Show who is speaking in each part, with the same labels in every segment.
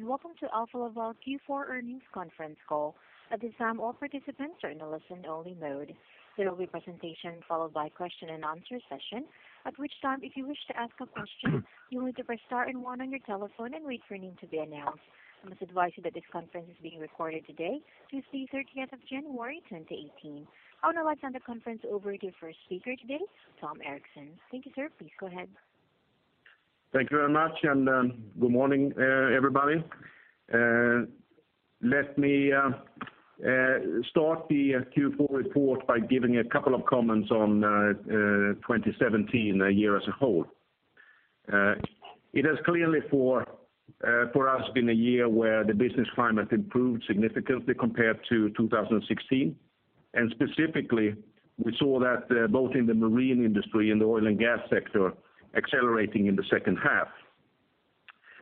Speaker 1: Welcome to Alfa Laval's Q4 earnings conference call. At this time, all participants are in a listen-only mode. There will be a presentation followed by a question-and-answer session, at which time, if you wish to ask a question, you'll need to press star and one on your telephone and wait for your name to be announced. I must advise you that this conference is being recorded today, Tuesday, 30th of January 2018. I want to hand the conference over to the first speaker today, Tom Erixon. Thank you, sir. Please go ahead.
Speaker 2: Thank you very much, good morning, everybody. Let me start the Q4 report by giving a couple of comments on 2017, a year as a whole. It has clearly, for us, been a year where the business climate improved significantly compared to 2016, specifically, we saw that both in the marine industry and the oil and gas sector accelerating in the second half.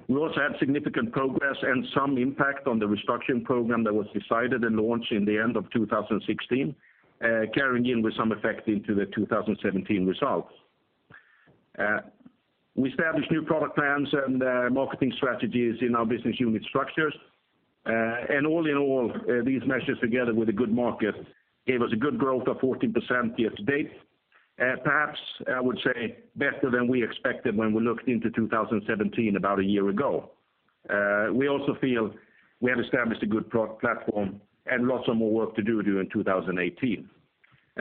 Speaker 2: We also had significant progress and some impact on the restructuring program that was decided and launched at the end of 2016, carrying in with some effect into the 2017 results. We established new product plans and marketing strategies in our business unit structures. All in all, these measures together with a good market gave us a good growth of 14% year to date. Perhaps, I would say, better than we expected when we looked into 2017 about a year ago. We also feel we have established a good platform and lots more work to do during 2018.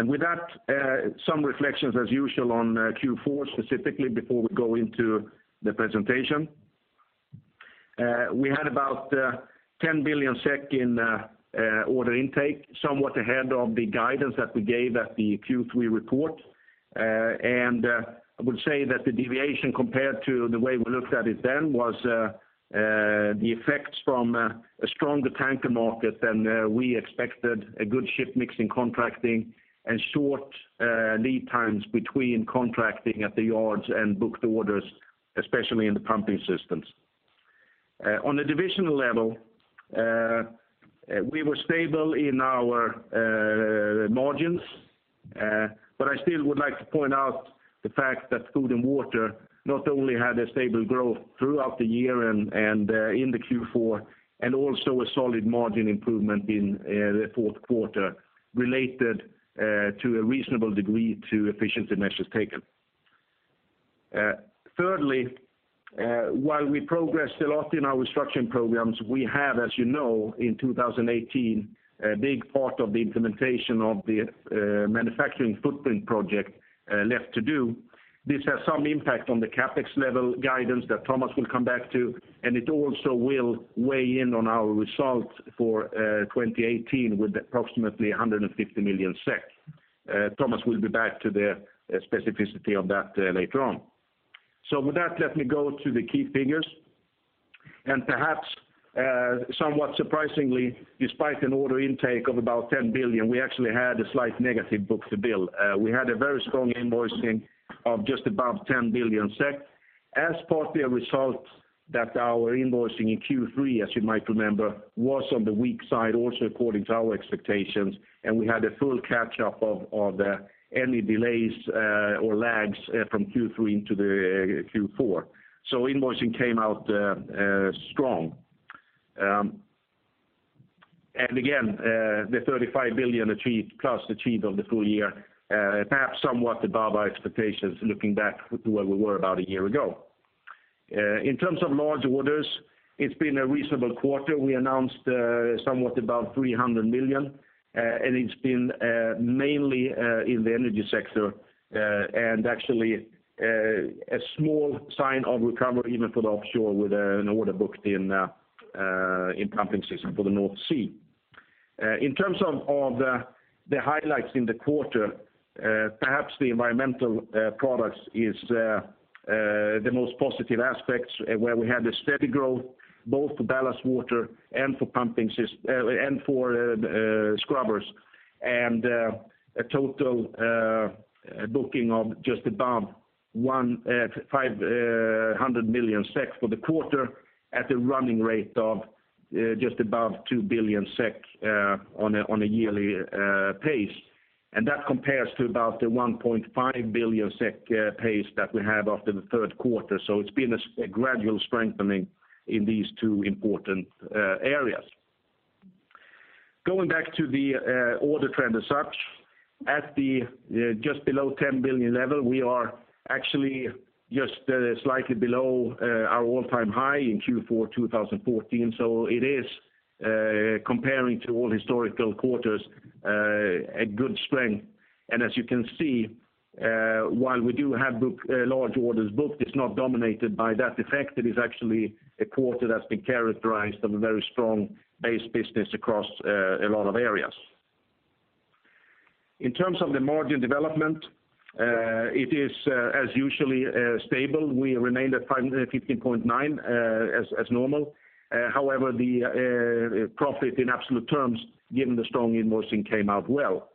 Speaker 2: With that, some reflections as usual on Q4 specifically before we go into the presentation. We had about 10 billion SEK in order intake, somewhat ahead of the guidance that we gave at the Q3 report. I would say that the deviation compared to the way we looked at it then was the effects from a stronger tanker market than we expected, a good ship mix in contracting, and short lead times between contracting at the yards and booked orders, especially in the pumping systems. On a divisional level, we were stable in our margins, I still would like to point out the fact that Food & Water not only had a stable growth throughout the year and in the Q4, also a solid margin improvement in the fourth quarter related to a reasonable degree to efficiency measures taken. Thirdly, while we progress a lot in our restructuring programs, we have, as you know, in 2018, a big part of the implementation of the manufacturing footprint project left to do. This has some impact on the CapEx level guidance that Thomas will come back to, and it also will weigh in on our results for 2018 with approximately 150 million. Thomas will be back to the specificity of that later on. With that, let me go to the key figures. Perhaps somewhat surprisingly, despite an order intake of about 10 billion, we actually had a slight negative book-to-bill. We had a very strong invoicing of just above 10 billion SEK, as partly a result that our invoicing in Q3, as you might remember, was on the weak side, also according to our expectations, and we had a full catch-up of any delays or lags from Q3 into the Q4. So invoicing came out strong. Again, the 35 billion achieved plus achieved on the full year, perhaps somewhat above our expectations looking back to where we were about a year ago. In terms of large orders, it's been a reasonable quarter. We announced somewhat above 300 million, and it's been mainly in the energy sector, and actually, a small sign of recovery even for the offshore with an order booked in pumping systems for the North Sea. In terms of the highlights in the quarter, perhaps the environmental products is the most positive aspect, where we had a steady growth both for ballast water and for scrubbers, and a total booking of just above 500 million SEK for the quarter at a running rate of just above 2 billion SEK on a yearly pace. That compares to about the 1.5 billion SEK pace that we had after the third quarter. So it's been a gradual strengthening in these two important areas. Going back to the order trend as such, at just below 10 billion level, we are actually just slightly below our all-time high in Q4 2014. So it is, comparing to all historical quarters, a good strength. As you can see, while we do have large orders booked, it's not dominated by that effect. It is actually a quarter that's been characterized of a very strong base business across a lot of areas. In terms of the margin development, it is as usual, stable. We remained at 15.9% as normal. However, the profit in absolute terms, given the strong invoicing, came out well.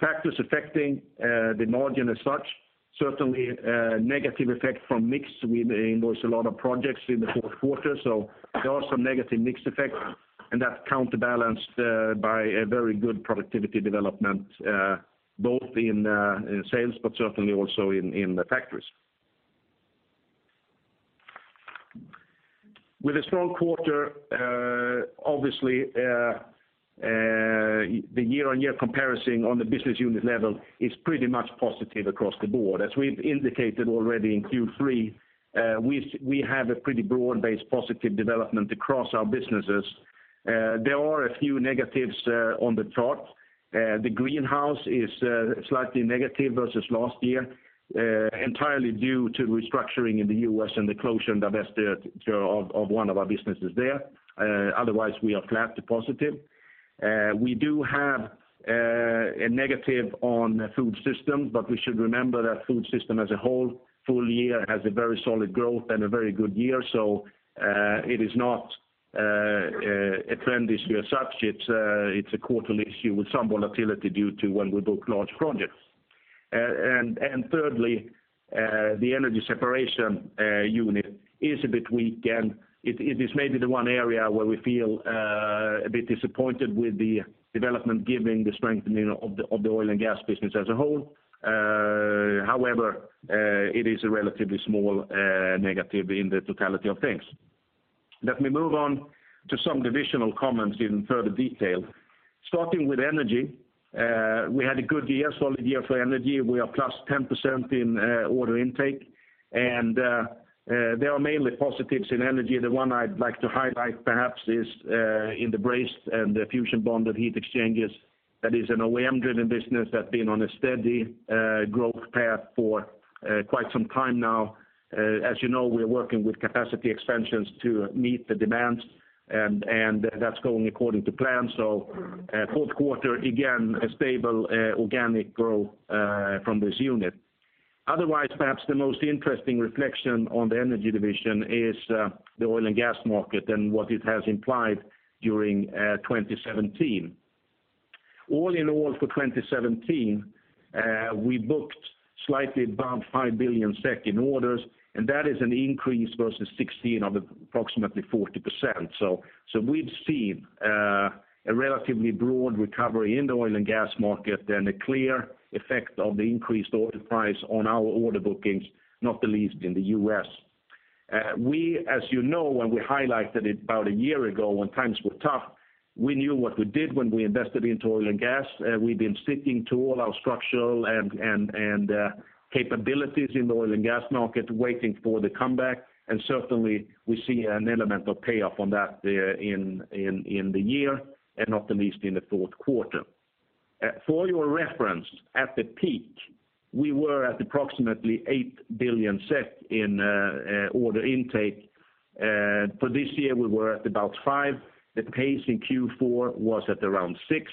Speaker 2: Factors affecting the margin as such, certainly a negative effect from mix. We invoice a lot of projects in the fourth quarter, so there are some negative mix effects, and that's counterbalanced by a very good productivity development both in sales but certainly also in the factories. With a strong quarter, obviously, the year-on-year comparison on the business unit level is pretty much positive across the board. As we've indicated already in Q3, we have a pretty broad-based positive development across our businesses. There are a few negatives on the chart. The Greenhouse is slightly negative versus last year, entirely due to restructuring in the U.S. and the closure and divestiture of one of our businesses there. Otherwise, we are flat to positive. We do have a negative on Food Systems, but we should remember that Food Systems as a whole full year has a very solid growth and a very good year. So it is not a trend issue as such. It's a quarterly issue with some volatility due to when we book large projects. Thirdly, the Energy Separation unit is a bit weak, and it is maybe the one area where we feel a bit disappointed with the development given the strengthening of the oil and gas business as a whole. However, it is a relatively small negative in the totality of things. Let me move on to some divisional comments in further detail. Starting with energy, we had a good year, solid year for energy. We are +10% in order intake, there are mainly positives in energy. The one I'd like to highlight perhaps is in the brazed and the fusion-bonded heat exchangers. That is an OEM-driven business that's been on a steady growth path for quite some time now. As you know, we're working with capacity expansions to meet the demands, that's going according to plan. Fourth quarter, again, a stable organic growth from this unit. Otherwise, perhaps the most interesting reflection on the energy division is the oil and gas market and what it has implied during 2017. All in all, for 2017, we booked slightly above 5 billion SEK in orders, that is an increase versus 2016 of approximately 40%. We've seen a relatively broad recovery in the oil and gas market and a clear effect of the increased order price on our order bookings, not the least in the U.S. We, as you know, when we highlighted it about a year ago when times were tough, we knew what we did when we invested into oil and gas. We've been sticking to all our structural and capabilities in the oil and gas market, waiting for the comeback, certainly we see an element of payoff on that there in the year, not the least in the fourth quarter. For your reference, at the peak, we were at approximately 8 billion in order intake. For this year, we were at about 5 billion. The pace in Q4 was at around 6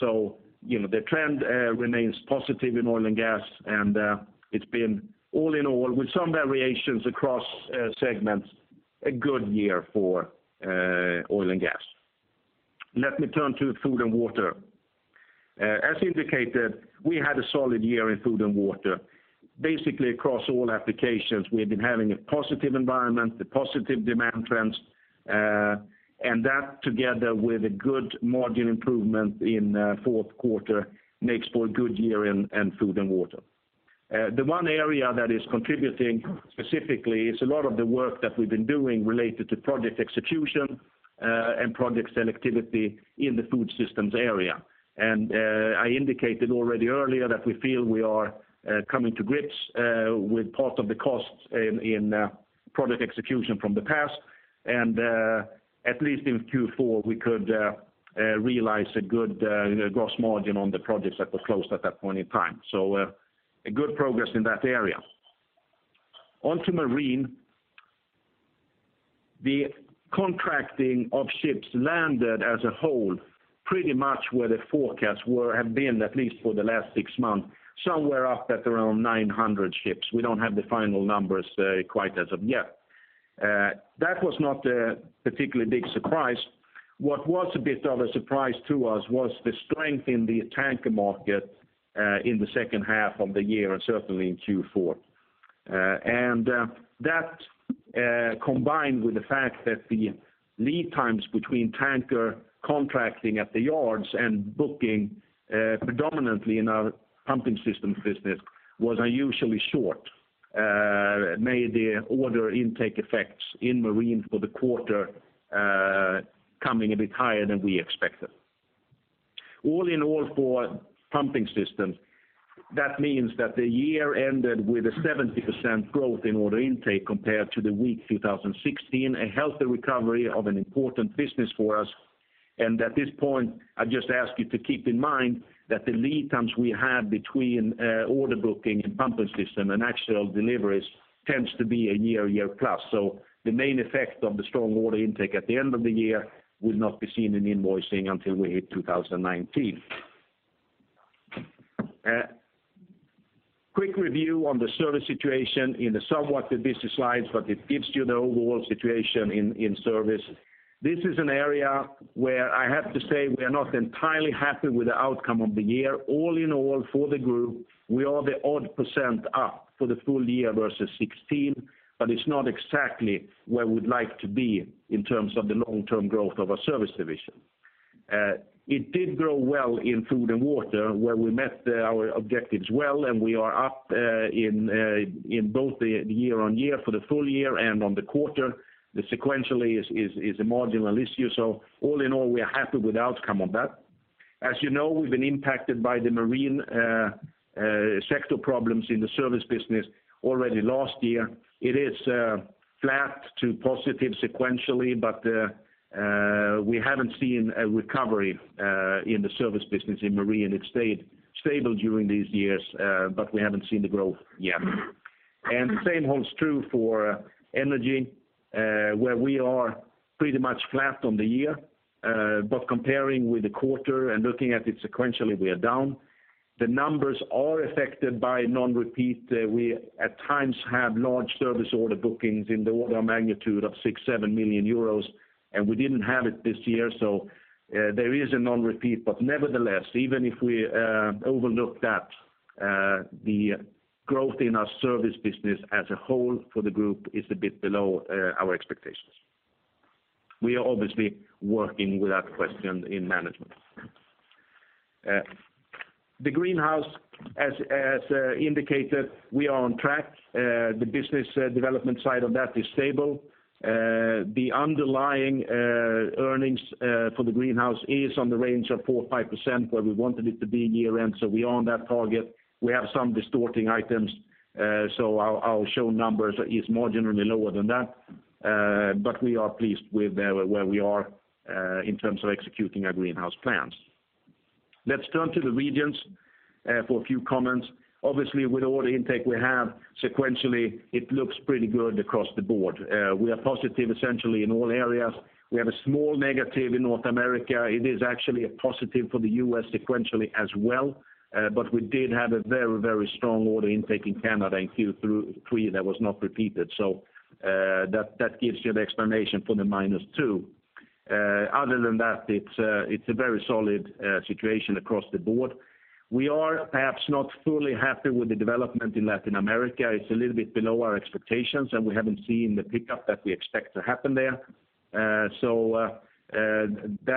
Speaker 2: billion. The trend remains positive in oil and gas, it's been all in all, with some variations across segments, a good year for oil and gas. Let me turn to Food & Water. As indicated, we had a solid year in Food & Water. Basically, across all applications, we have been having a positive environment, the positive demand trends, that together with a good margin improvement in fourth quarter makes for a good year in Food & Water. The one area that is contributing specifically is a lot of the work that we've been doing related to project execution, project selectivity in the Food Systems area. I indicated already earlier that we feel we are coming to grips with part of the costs in project execution from the past. At least in Q4, we could realize a good gross margin on the projects that were closed at that point in time. A good progress in that area. On to marine. The contracting of ships landed as a whole, pretty much where the forecasts have been, at least for the last six months, somewhere up at around 900 ships. We don't have the final numbers quite as of yet. That was not a particularly big surprise. What was a bit of a surprise to us was the strength in the tanker market, in the second half of the year, certainly in Q4. That, combined with the fact that the lead times between tanker contracting at the yards and booking predominantly in our pumping systems business, was unusually short, made the order intake effects in marine for the quarter coming a bit higher than we expected. All in all, for pumping systems, that means that the year ended with a 70% growth in order intake compared to the weak 2016, a healthy recovery of an important business for us. At this point, I just ask you to keep in mind that the lead times we have between order booking and pumping system and actual deliveries tends to be a year plus. The main effect of the strong order intake at the end of the year will not be seen in invoicing until we hit 2019. A quick review on the service situation in the somewhat busy slides, but it gives you the overall situation in service. This is an area where I have to say we are not entirely happy with the outcome of the year. All in all, for the group, we are the odd percent up for the full year versus 2016, but it's not exactly where we'd like to be in terms of the long-term growth of our service division. It did grow well in Food & Water, where we met our objectives well, and we are up in both the year-on-year for the full year and on the quarter. The sequentially is a marginal issue. All in all, we are happy with the outcome of that. As you know, we've been impacted by the marine sector problems in the service business already last year. It is flat to positive sequentially, but we haven't seen a recovery in the service business in marine. It stayed stable during these years, but we haven't seen the growth yet. The same holds true for energy, where we are pretty much flat on the year. Comparing with the quarter and looking at it sequentially, we are down. The numbers are affected by non-repeat. We, at times, have large service order bookings in the order of magnitude of 6, 7 million euros, and we didn't have it this year, so there is a non-repeat. Nevertheless, even if we overlook that, the growth in our service business as a whole for the group is a bit below our expectations. We are obviously working with that question in management. The Greenhouse, as indicated, we are on track. The business development side of that is stable. The underlying earnings for the Greenhouse is on the range of 4%, 5% where we wanted it to be year-end, so we are on that target. We have some distorting items, so our shown numbers is marginally lower than that. But we are pleased with where we are in terms of executing our Greenhouse plans. Let's turn to the regions for a few comments. Obviously, with order intake we have sequentially, it looks pretty good across the board. We are positive essentially in all areas. We have a small negative in North America. It is actually a positive for the U.S. sequentially as well, but we did have a very strong order intake in Canada in Q3 that was not repeated. That gives you the explanation for the minus two. Other than that, it's a very solid situation across the board. We are perhaps not fully happy with the development in Latin America. It's a little bit below our expectations, and we haven't seen the pickup that we expect to happen there. That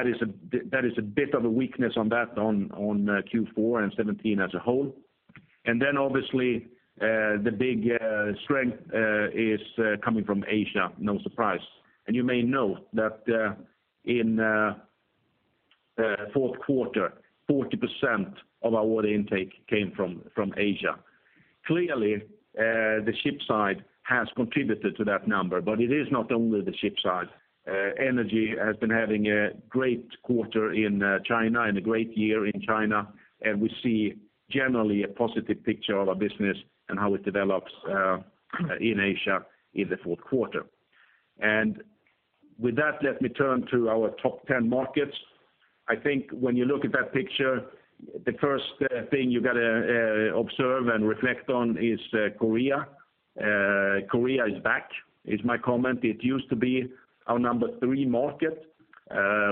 Speaker 2: is a bit of a weakness on that on Q4 and 2017 as a whole. Obviously, the big strength is coming from Asia, no surprise. You may know that in fourth quarter, 40% of our order intake came from Asia. Clearly, the ship side has contributed to that number, but it is not only the ship side. Energy has been having a great quarter in China and a great year in China, and we see generally a positive picture of our business and how it develops in Asia in the fourth quarter. With that, let me turn to our top 10 markets. When you look at that picture, the first thing you got to observe and reflect on is Korea. Korea is back, is my comment. It used to be our number three market.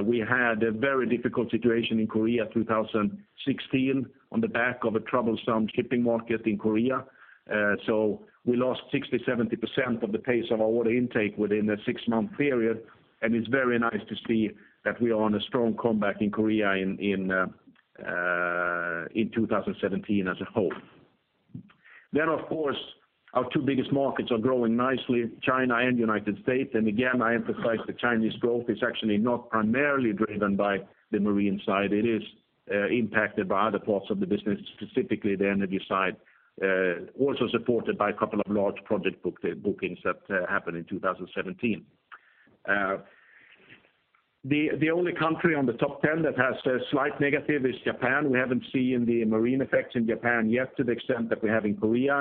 Speaker 2: We had a very difficult situation in Korea 2016 on the back of a troublesome shipping market in Korea. We lost 60%-70% of the pace of our order intake within a six-month period, and it's very nice to see that we are on a strong comeback in Korea in 2017 as a whole. Of course, our two biggest markets are growing nicely, China and United States. Again, I emphasize the Chinese growth is actually not primarily driven by the marine side. It is impacted by other parts of the business, specifically the Energy side, also supported by a couple of large project bookings that happened in 2017. The only country on the top 10 that has a slight negative is Japan. We haven't seen the marine effects in Japan yet to the extent that we have in Korea.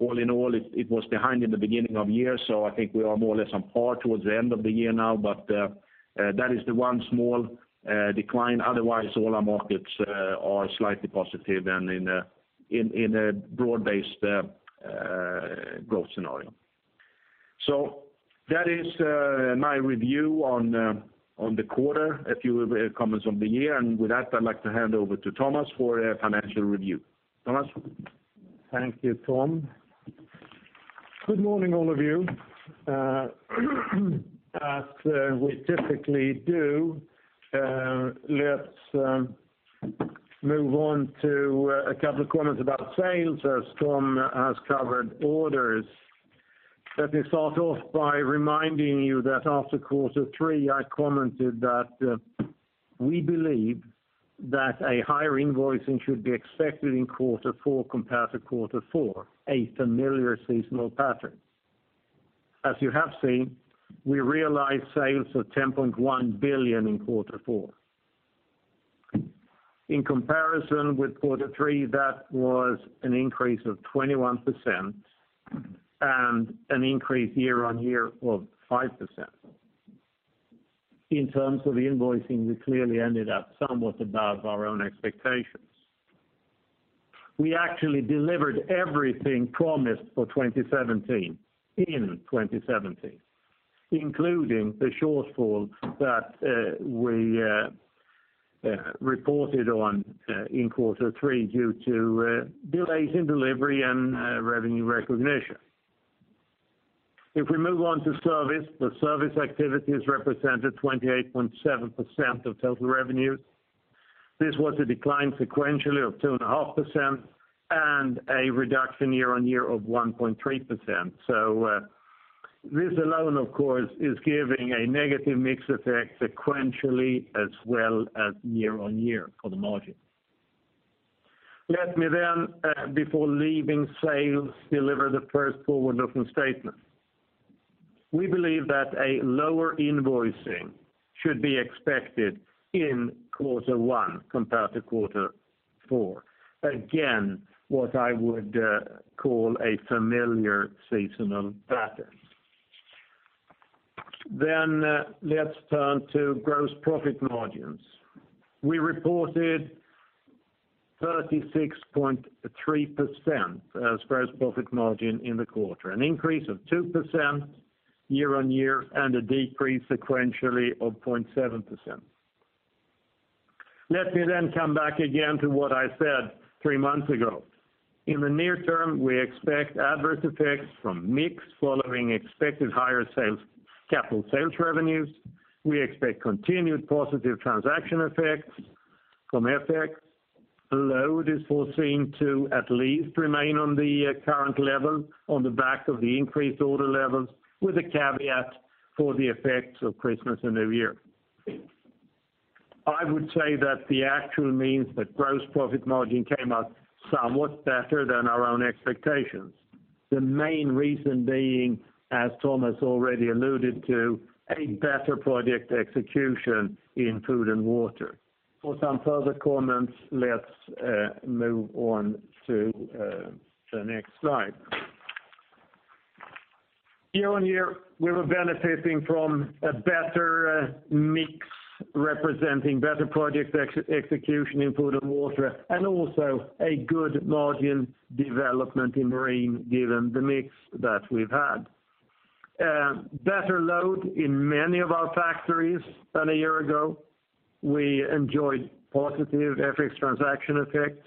Speaker 2: All in all, it was behind in the beginning of year, so I think we are more or less on par towards the end of the year now, but that is the one small decline. Otherwise, all our markets are slightly positive and in a broad-based growth scenario. That is my review on the quarter. A few comments on the year, with that, I'd like to hand over to Thomas for a financial review. Thomas?
Speaker 3: Thank you, Tom. Good morning, all of you. We typically do, let's move on to a couple of comments about sales, as Tom has covered orders. Let me start off by reminding you that after quarter three, I commented that we believe that a higher invoicing should be expected in quarter four compared to quarter four, a familiar seasonal pattern. You have seen, we realized sales of 10.1 billion in quarter four. In comparison with quarter three, that was an increase of 21% and an increase year-on-year of 5%. In terms of invoicing, we clearly ended up somewhat above our own expectations. We actually delivered everything promised for 2017 in 2017, including the shortfall that we reported on in quarter three due to delays in delivery and revenue recognition. We move on to service, the service activities represented 28.7% of total revenues. This was a decline sequentially of 2.5% and a reduction year on year of 1.3%. This alone, of course, is giving a negative mix effect sequentially as well as year on year for the margin. Let me then, before leaving sales, deliver the first forward-looking statement. We believe that a lower invoicing should be expected in quarter one compared to quarter four. Again, what I would call a familiar seasonal pattern. Let's turn to gross profit margins. We reported 36.3% as gross profit margin in the quarter, an increase of 2% year on year, and a decrease sequentially of 0.7%. Let me then come back again to what I said three months ago. In the near term, we expect adverse effects from mix following expected higher capital sales revenues. We expect continued positive transaction effects from FX. Load is foreseen to at least remain on the current level on the back of the increased order levels, with a caveat for the effects of Christmas and New Year. I would say that the actual means that gross profit margin came out somewhat better than our own expectations. The main reason being, as Thomas already alluded to, a better project execution in Food & Water. For some further comments, let's move on to the next slide. Year on year, we were benefiting from a better mix representing better project execution in Food & Water, and also a good margin development in marine, given the mix that we've had. Better load in many of our factories than a year ago. We enjoyed positive FX transaction effects.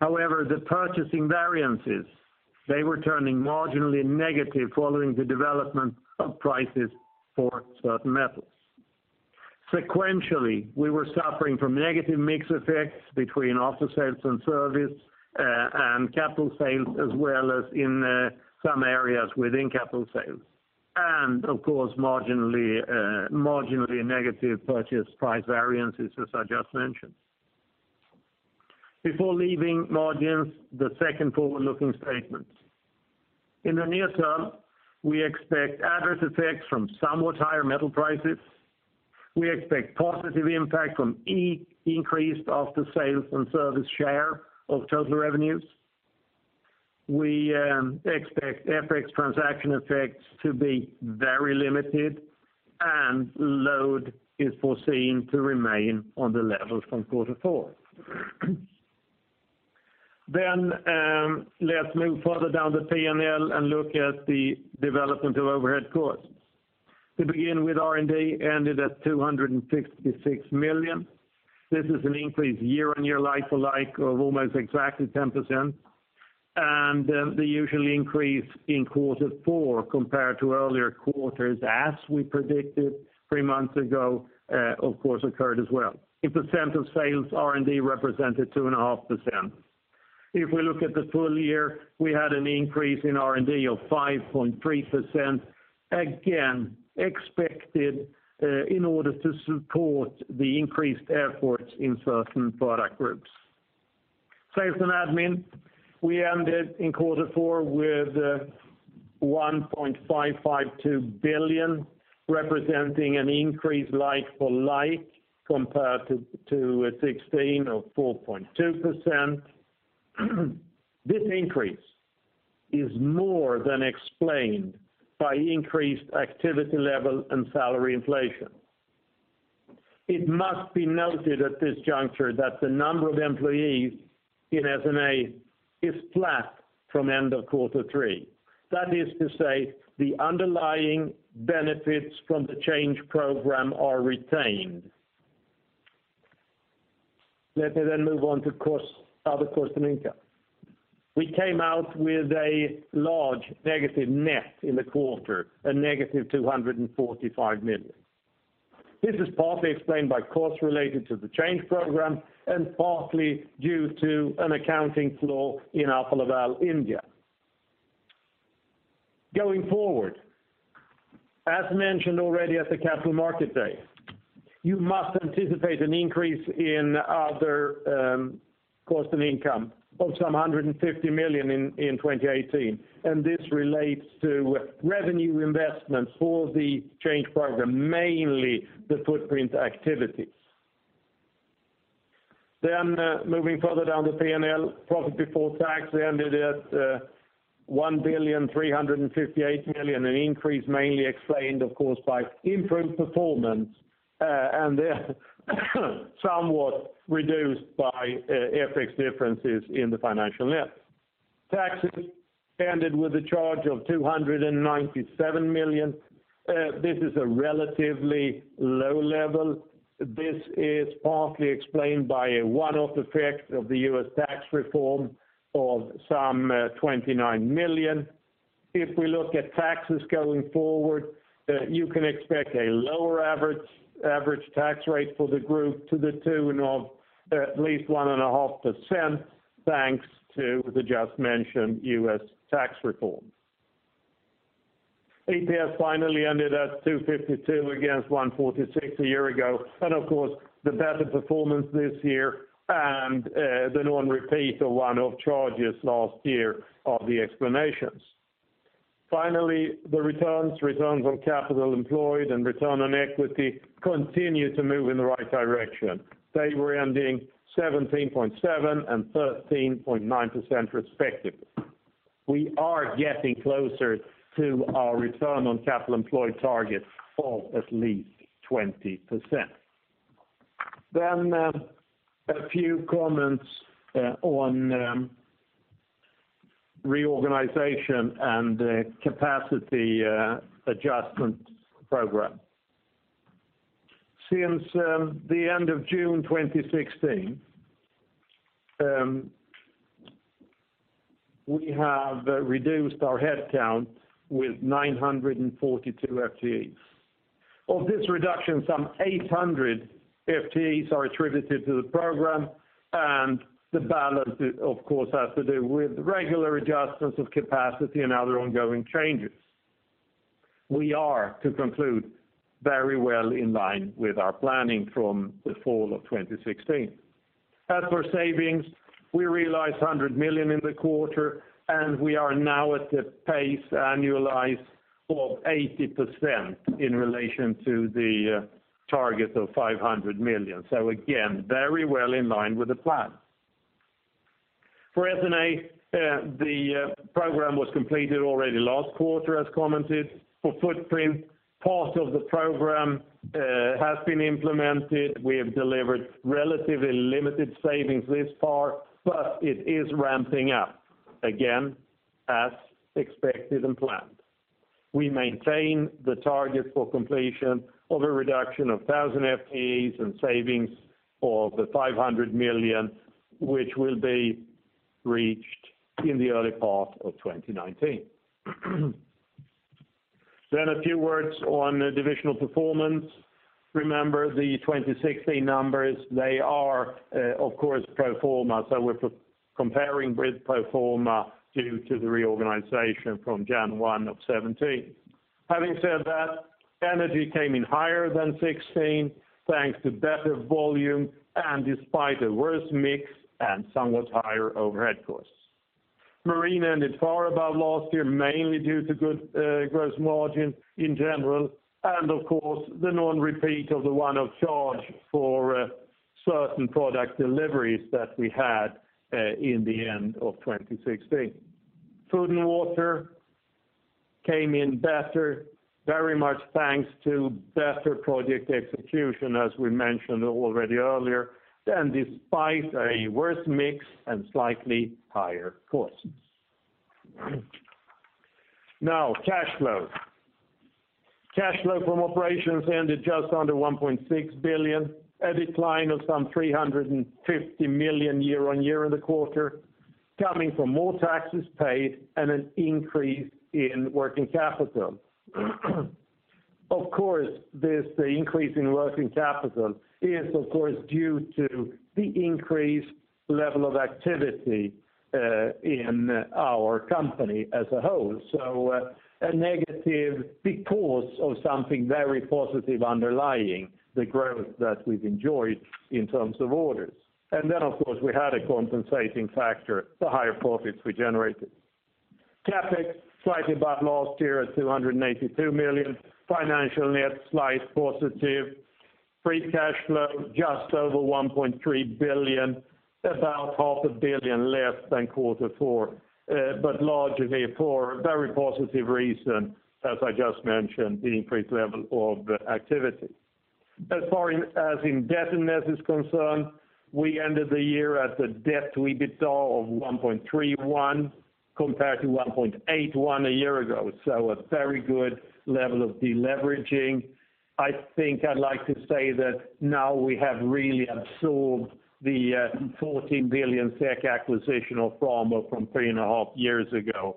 Speaker 3: The purchasing variances, they were turning marginally negative following the development of prices for certain metals. Sequentially, we were suffering from negative mix effects between aftersales and service, and capital sales, as well as in some areas within capital sales. Of course, marginally negative purchase price variances as I just mentioned. Before leaving margins, the second forward-looking statement. In the near term, we expect adverse effects from somewhat higher metal prices. We expect positive impact from increased aftersales and service share of total revenues. We expect FX transaction effects to be very limited, and load is foreseen to remain on the level from quarter four. Let's move further down the P&L and look at the development of overhead costs. To begin with, R&D ended at 266 million. This is an increase year on year like for like of almost exactly 10%. The usual increase in quarter four compared to earlier quarters, as we predicted three months ago, of course occurred as well. In percent of sales, R&D represented 2.5%. If we look at the full year, we had an increase in R&D of 5.3%, again expected in order to support the increased efforts in certain product groups. Sales and admin, we ended in quarter four with 1.552 billion, representing an increase like for like compared to 2016 of 4.2%. This increase is more than explained by increased activity level and salary inflation. It must be noted at this juncture that the number of employees in S&A is flat from end of quarter three. That is to say, the underlying benefits from the change program are retained. Let me then move on to other costs and income. We came out with a large negative net in the quarter, a negative 245 million. This is partly explained by costs related to the change program and partly due to an accounting flaw in Alfa Laval India. As mentioned already at the Capital Markets Day, you must anticipate an increase in other costs and income of some 150 million in 2018. This relates to revenue investments for the change program, mainly the footprint activities. Moving further down the P&L, profit before tax ended at 1.358 billion, an increase mainly explained, of course, by improved performance, and then somewhat reduced by FX differences in the financial net. Tax ended with a charge of 297 million. This is a relatively low level. This is partly explained by a one-off effect of the U.S. tax reform of some 29 million. If we look at taxes going forward, you can expect a lower average tax rate for the group to the tune of at least 1.5%, thanks to the just mentioned U.S. tax reform. EPS finally ended at 252 against 146 a year ago. Of course, the better performance this year and the non-repeat of one-off charges last year are the explanations. The returns on capital employed and return on equity continue to move in the right direction. They were ending 17.7% and 13.9%, respectively. We are getting closer to our return on capital employed targets of at least 20%. A few comments on reorganization and capacity adjustment program. Since the end of June 2016, we have reduced our headcount with 942 FTEs. Of this reduction, some 800 FTEs are attributed to the program. The balance, of course, has to do with regular adjustments of capacity and other ongoing changes. We are, to conclude, very well in line with our planning from the fall of 2016. As for savings, we realized 100 million in the quarter, and we are now at a pace annualized of 80% in relation to the target of 500 million. Again, very well in line with the plan. For S&A, the program was completed already last quarter, as commented. For footprint, part of the program has been implemented. We have delivered relatively limited savings this far, but it is ramping up. Again, as expected and planned. We maintain the target for completion of a reduction of 1,000 FTEs and savings of the 500 million, which will be reached in the early part of 2019. A few words on divisional performance. Remember, the 2016 numbers, they are, of course, pro forma. We're comparing with pro forma due to the reorganization from January 1 of 2017. Having said that, Energy came in higher than 2016, thanks to better volume and despite a worse mix and somewhat higher overhead costs. Marine ended far above last year, mainly due to good gross margin in general. Of course, the non-repeat of the one-off charge for certain product deliveries that we had in the end of 2016. Food & Water came in better, very much thanks to better project execution, as we mentioned already earlier. Despite a worse mix and slightly higher costs. Cash flow. Cash flow from operations ended just under 1.6 billion, a decline of some 350 million year-over-year in the quarter, coming from more taxes paid and an increase in working capital. Of course, this increase in working capital is due to the increased level of activity in our company as a whole. A negative because of something very positive underlying the growth that we've enjoyed in terms of orders. Of course, we had a compensating factor, the higher profits we generated. CapEx, slightly above last year at 282 million. Financial net, slight positive. Free cash flow, just over 1.3 billion, about half a billion less than Q4, but largely for a very positive reason, as I just mentioned, the increased level of activity. As far as indebtedness is concerned, we ended the year at the debt to EBITDA of 1.31, compared to 1.81 a year ago, a very good level of deleveraging. I think I'd like to say that now we have really absorbed the 14 billion SEK acquisition of Framo from three and a half years ago.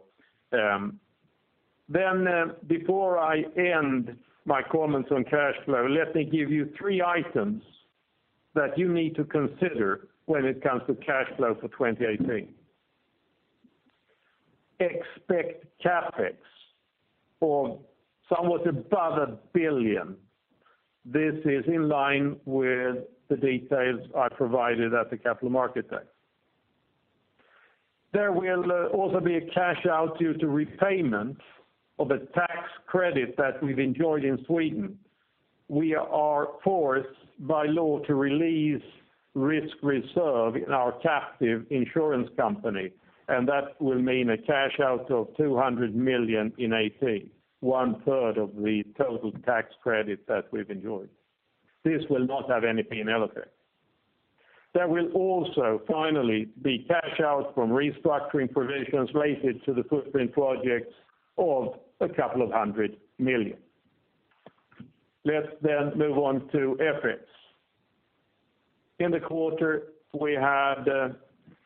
Speaker 3: Before I end my comments on cash flow, let me give you three items that you need to consider when it comes to cash flow for 2018. Expect CapEx of somewhat above 1 billion. This is in line with the details I provided at the Capital Markets Day. There will also be a cash out due to repayment of a tax credit that we've enjoyed in Sweden. We are forced by law to release risk reserve in our captive insurance company, that will mean a cash out of 200 million in 2018, one-third of the total tax credit that we've enjoyed. This will not have any P&L effect. There will also finally be cash out from restructuring provisions related to the footprint projects of a couple of hundred million. Let's move on to FX. In the quarter, we had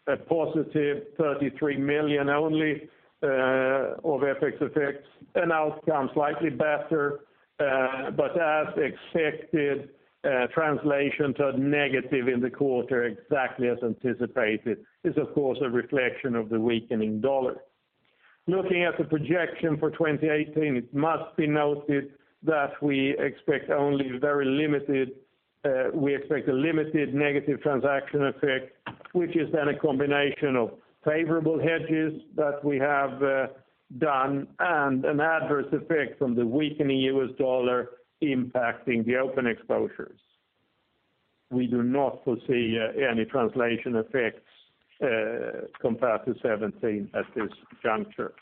Speaker 3: a positive 33 million only of FX effects, an outcome slightly better. As expected, translation turned negative in the quarter, exactly as anticipated. It's of course, a reflection of the weakening dollar. Looking at the projection for 2018, it must be noted that we expect a limited negative transaction effect, which is then a combination of favorable hedges that we have done, and an adverse effect from the weakening U.S. dollar impacting the open exposures. We do not foresee any translation effects compared to 2017 at this juncture.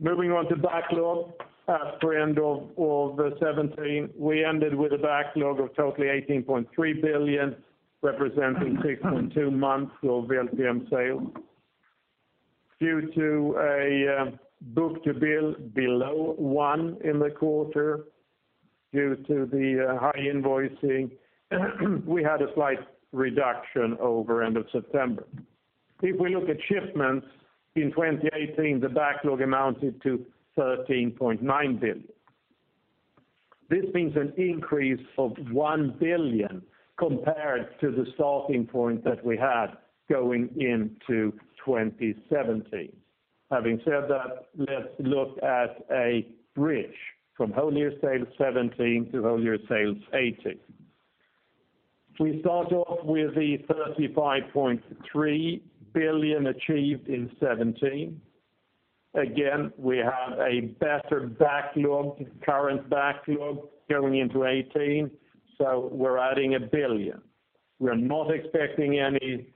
Speaker 3: Moving on to backlog. As for end of 2017, we ended with a backlog of totally 18.3 billion, representing 6.2 months of LTM sales. Due to a book-to-bill below 1 in the quarter, due to the high invoicing, we had a slight reduction over end of September. If we look at shipments in 2018, the backlog amounted to 13.9 billion. This means an increase of 1 billion compared to the starting point that we had going into 2017. Having said that, let's look at a bridge from whole year sales 2017 to whole year sales 2018. We start off with the 35.3 billion achieved in 2017. Again, we have a better current backlog going into 2018, we're adding 1 billion. We're not expecting any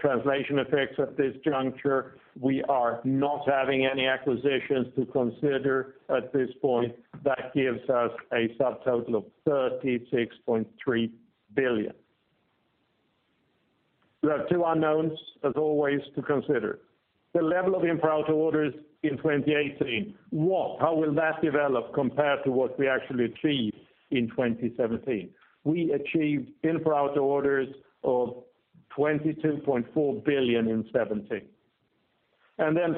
Speaker 3: translation effects at this juncture. We are not having any acquisitions to consider at this point. That gives us a subtotal of 36.3 billion. We have two unknowns, as always, to consider. The level of in-pro-out orders in 2018. How will that develop compared to what we actually achieved in 2017? We achieved in-pro-out orders of SEK 22.4 billion in 2017.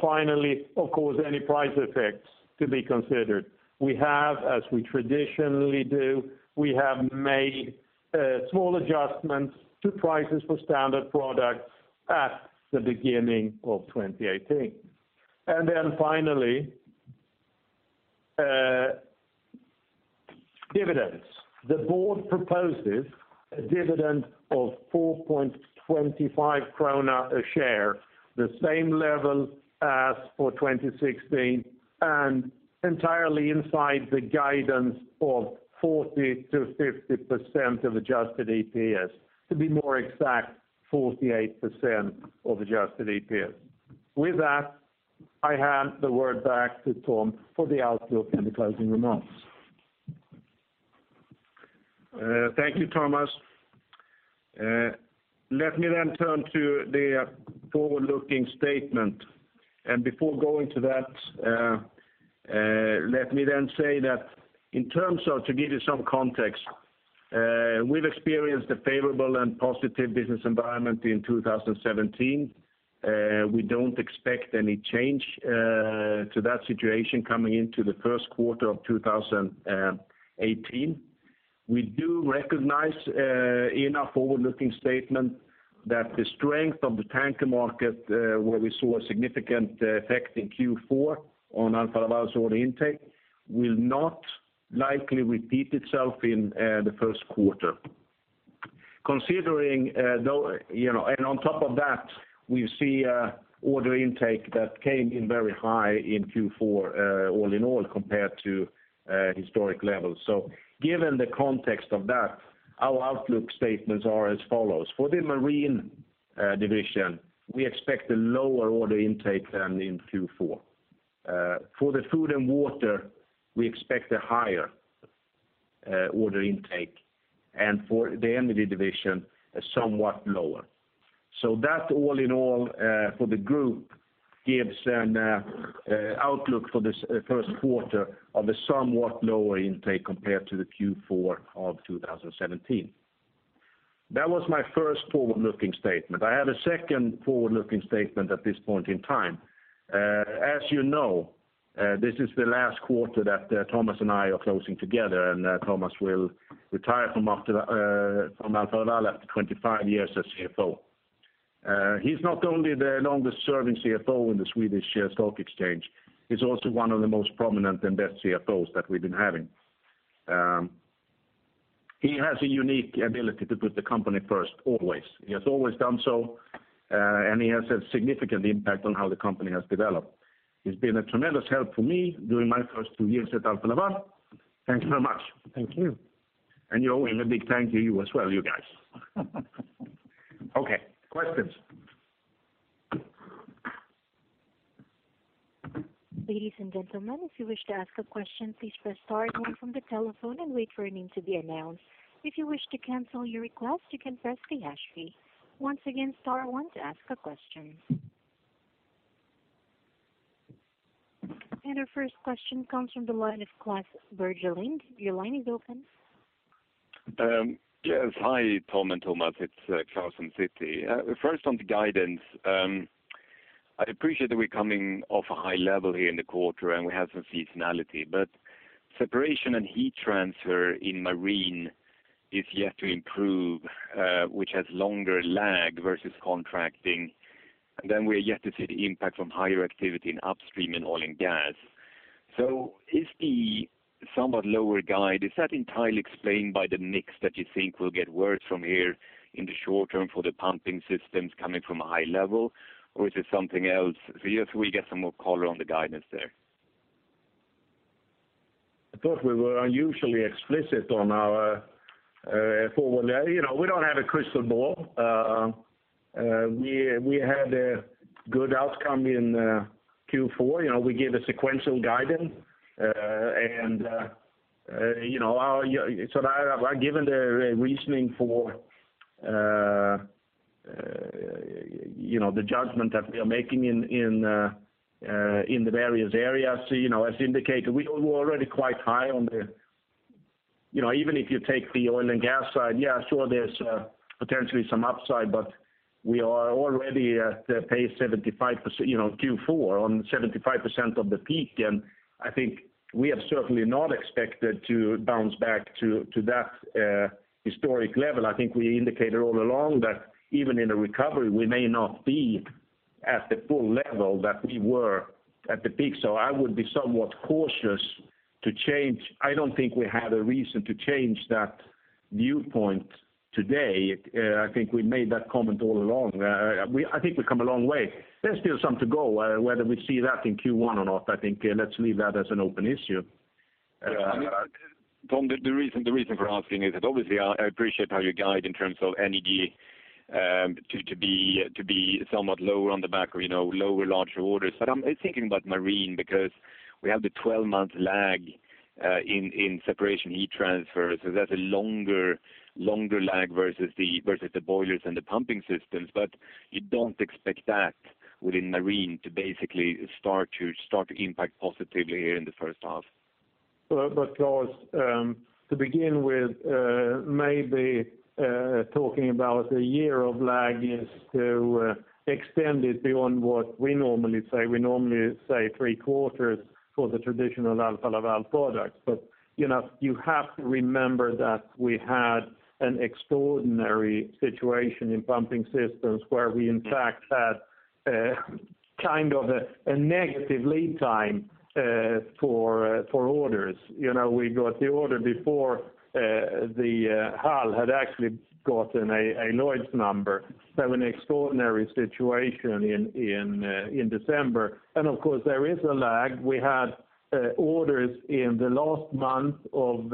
Speaker 3: Finally, of course, any price effects to be considered. We have, as we traditionally do, we have made small adjustments to prices for standard products at the beginning of 2018. Finally, dividends. The board proposes a dividend of 4.25 krona a share, the same level as for 2016, and entirely inside the guidance of 40%-50% of adjusted EPS. To be more exact, 48% of adjusted EPS. With that, I hand the word back to Tom for the outlook and the closing remarks.
Speaker 2: Thank you, Thomas. Let me turn to the forward-looking statement. Before going to that, let me say that in terms of, to give you some context, we've experienced a favorable and positive business environment in 2017. We don't expect any change to that situation coming into the first quarter of 2018. We do recognize in our forward-looking statement that the strength of the tanker market, where we saw a significant effect in Q4 on Alfa Laval's order intake, will not likely repeat itself in the first quarter. On top of that, we see order intake that came in very high in Q4 all in all, compared to historic levels. Given the context of that, our outlook statements are as follows. For the Marine Division, we expect a lower order intake than in Q4. For the Food & Water, we expect a higher order intake. For the Energy Division, somewhat lower. That all in all, for the group, gives an outlook for this first quarter of a somewhat lower intake compared to the Q4 of 2017. That was my first forward-looking statement. I have a second forward-looking statement at this point in time. As you know, this is the last quarter that Thomas and I are closing together, and Thomas will retire from Alfa Laval after 25 years as CFO. He's not only the longest-serving CFO in the Swedish share stock exchange, he's also one of the most prominent and best CFOs that we've been having. He has a unique ability to put the company first always. He has always done so, and he has had significant impact on how the company has developed. He's been a tremendous help for me during my first two years at Alfa Laval. Thank you very much.
Speaker 3: Thank you.
Speaker 2: You owe him a big thank you as well, you guys. Okay, questions
Speaker 1: Ladies and gentlemen, if you wish to ask a question, please press star one from the telephone and wait for your name to be announced. If you wish to cancel your request, you can press the hash key. Once again, star one to ask a question. Our first question comes from the line of Klas Bergelind. Your line is open.
Speaker 4: Yes. Hi, Tom and Thomas. It's Klas from Citi. First on the guidance. I appreciate that we're coming off a high level here in the quarter, we have some seasonality. Separation and heat transfer in marine is yet to improve, which has longer lag versus contracting. We're yet to see the impact from higher activity in upstream and oil and gas. Is the somewhat lower guide, is that entirely explained by the mix that you think will get worse from here in the short term for the pumping systems coming from a high level, or is it something else? If we get some more color on the guidance there.
Speaker 3: I thought we were unusually explicit on our forward. We don't have a crystal ball. We had a good outcome in Q4. We gave a sequential guidance. I've given the reasoning for the judgment that we are making in the various areas. As indicated, we were already quite high. Even if you take the oil and gas side, yeah, sure, there's potentially some upside, but we are already at pace Q4 on 75% of the peak, and I think we have certainly not expected to bounce back to that historic level. I think we indicated all along that even in a recovery, we may not be at the full level that we were at the peak. I would be somewhat cautious to change. I don't think we had a reason to change that viewpoint today. I think we made that comment all along. I think we've come a long way. There's still some to go, whether we see that in Q1 or not, I think, let's leave that as an open issue.
Speaker 4: Tom, the reason for asking is that obviously, I appreciate how you guide in terms of energy to be somewhat lower on the back of lower larger orders. I'm thinking about marine because we have the 12-month lag in separation heat transfer, so that's a longer lag versus the boilers and the pumping systems. You don't expect that within marine to basically start to impact positively here in the first half.
Speaker 2: Klas, to begin with, maybe talking about a year of lag is to extend it beyond what we normally say. We normally say three quarters for the traditional Alfa Laval products. You have to remember that we had an extraordinary situation in pumping systems where we in fact had kind of a negative lead time for orders. We got the order before the hull had actually gotten a Lloyd's number, so an extraordinary situation in December, and of course, there is a lag. We had orders in the last month of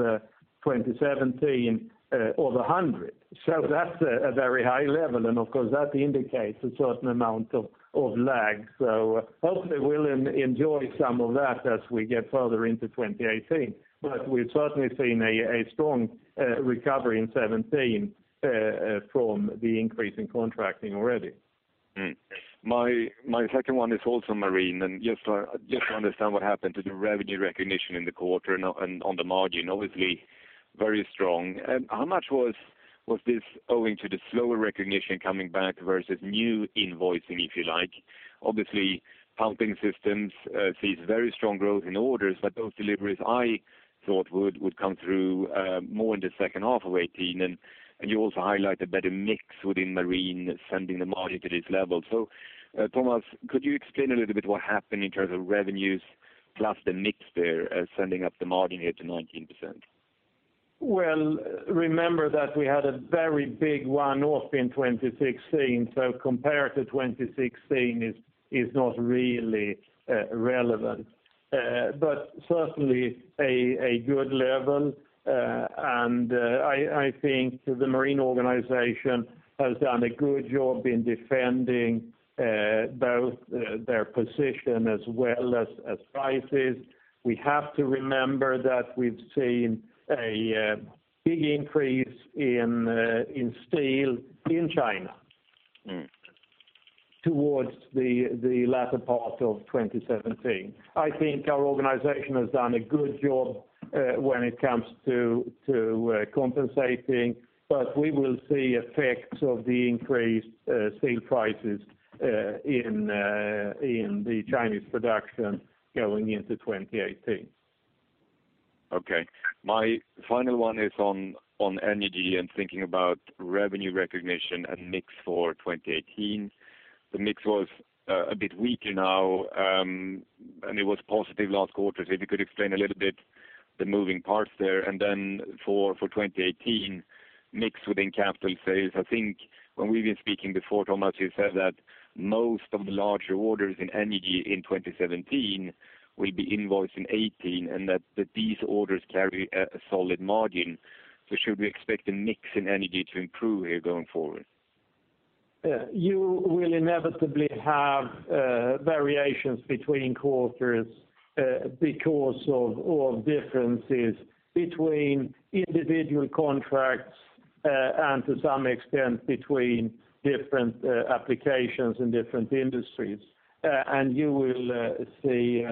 Speaker 2: 2017 over 100. That's a very high level, and of course, that indicates a certain amount of lag. Hopefully we'll enjoy some of that as we get further into 2018. We've certainly seen a strong recovery in 2017 from the increase in contracting already.
Speaker 4: My second one is also marine, just to understand what happened to the revenue recognition in the quarter and on the margin, obviously very strong. How much was this owing to the slower recognition coming back versus new invoicing, if you like? Obviously, pumping systems sees very strong growth in orders, those deliveries I thought would come through more in the second half of 2018. You also highlighted better mix within marine sending the margin to this level. Thomas, could you explain a little bit what happened in terms of revenues plus the mix there sending up the margin here to 19%?
Speaker 3: remember that we had a very big one-off in 2016, so compared to 2016 is not really relevant. Certainly a good level, and I think the marine organization has done a good job in defending both their position as well as prices. We have to remember that we've seen a big increase in steel in China towards the latter part of 2017. I think our organization has done a good job when it comes to compensating, but we will see effects of the increased steel prices in the Chinese production going into 2018.
Speaker 4: Okay. My final one is on Energy and thinking about revenue recognition and mix for 2018. The mix was a bit weaker now, and it was positive last quarter. If you could explain a little bit the moving parts there and then for 2018 mix within capital sales. I think when we've been speaking before, Thomas, you said that most of the larger orders in Energy in 2017 will be invoiced in 2018 and that these orders carry a solid margin. Should we expect the mix in Energy to improve here going forward?
Speaker 3: You will inevitably have variations between quarters because of differences between individual contracts and to some extent, between different applications in different industries. You will see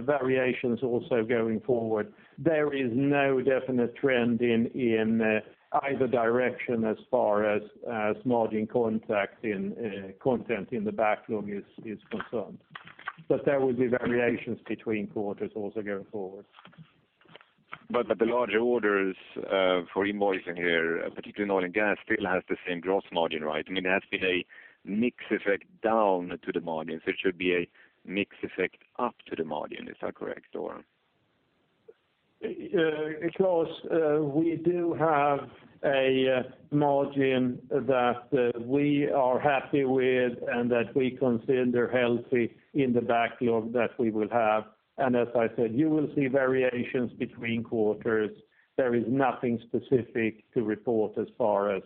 Speaker 3: variations also going forward. There is no definite trend in either direction as far as margin content in the backlog is concerned. There will be variations between quarters also going forward.
Speaker 4: The larger orders for invoicing here, particularly in oil and gas, still has the same gross margin, right? It has been a mix effect down to the margin, it should be a mix effect up to the margin. Is that correct?
Speaker 3: Klas, we do have a margin that we are happy with and that we consider healthy in the backlog that we will have. As I said, you will see variations between quarters. There is nothing specific to report as far as